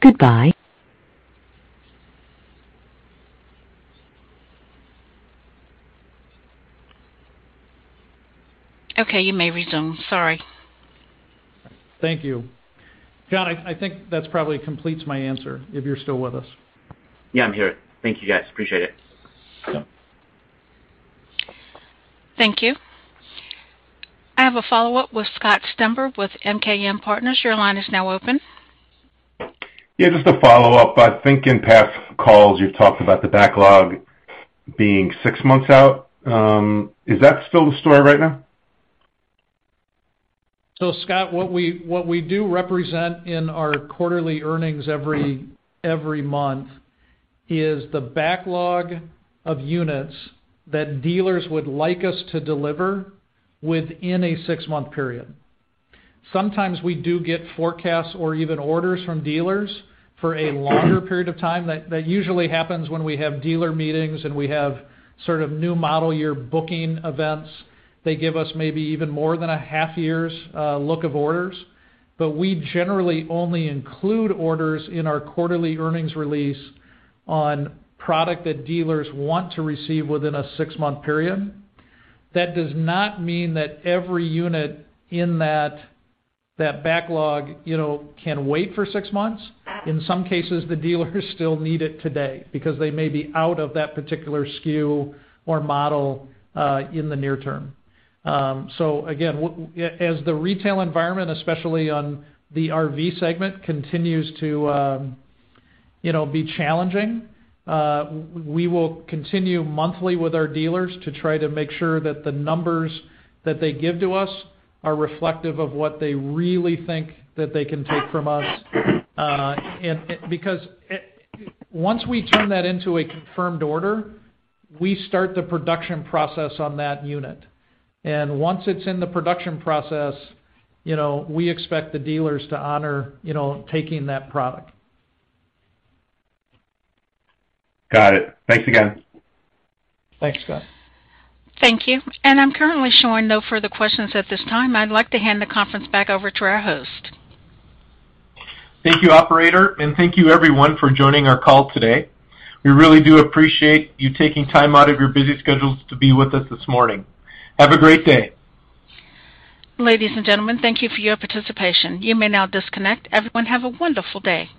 Goodbye. Okay, you may resume. Sorry. Thank you. John, I think that probably completes my answer, if you're still with us. Yeah, I'm here. Thank you, guys. Appreciate it. Yep. Thank you. I have a follow-up with Scott Stember with MKM Partners. Your line is now open. Yeah, just a follow-up. I think in past calls you've talked about the backlog being six months out. Is that still the story right now? Scott, what we do represent in our quarterly earnings every month is the backlog of units that dealers would like us to deliver within a six-month period. Sometimes we do get forecasts or even orders from dealers for a longer period of time. That usually happens when we have dealer meetings and we have sort of new model year booking events. They give us maybe even more than a half year's look of orders. But we generally only include orders in our quarterly earnings release on product that dealers want to receive within a six-month period. That does not mean that every unit in that backlog, you know, can wait for six months. In some cases, the dealers still need it today because they may be out of that particular SKU or model in the near term. So again, as the retail environment, especially on the RV segment, continues to, you know, be challenging, we will continue monthly with our dealers to try to make sure that the numbers that they give to us are reflective of what they really think that they can take from us. Because once we turn that into a confirmed order, we start the production process on that unit. Once it's in the production process, you know, we expect the dealers to honor, you know, taking that product. Got it. Thanks again. Thanks, Scott. Thank you. I'm currently showing no further questions at this time. I'd like to hand the conference back over to our host. Thank you, operator, and thank you everyone for joining our call today. We really do appreciate you taking time out of your busy schedules to be with us this morning. Have a great day. Ladies and gentlemen, thank you for your participation. You may now disconnect. Everyone, have a wonderful day.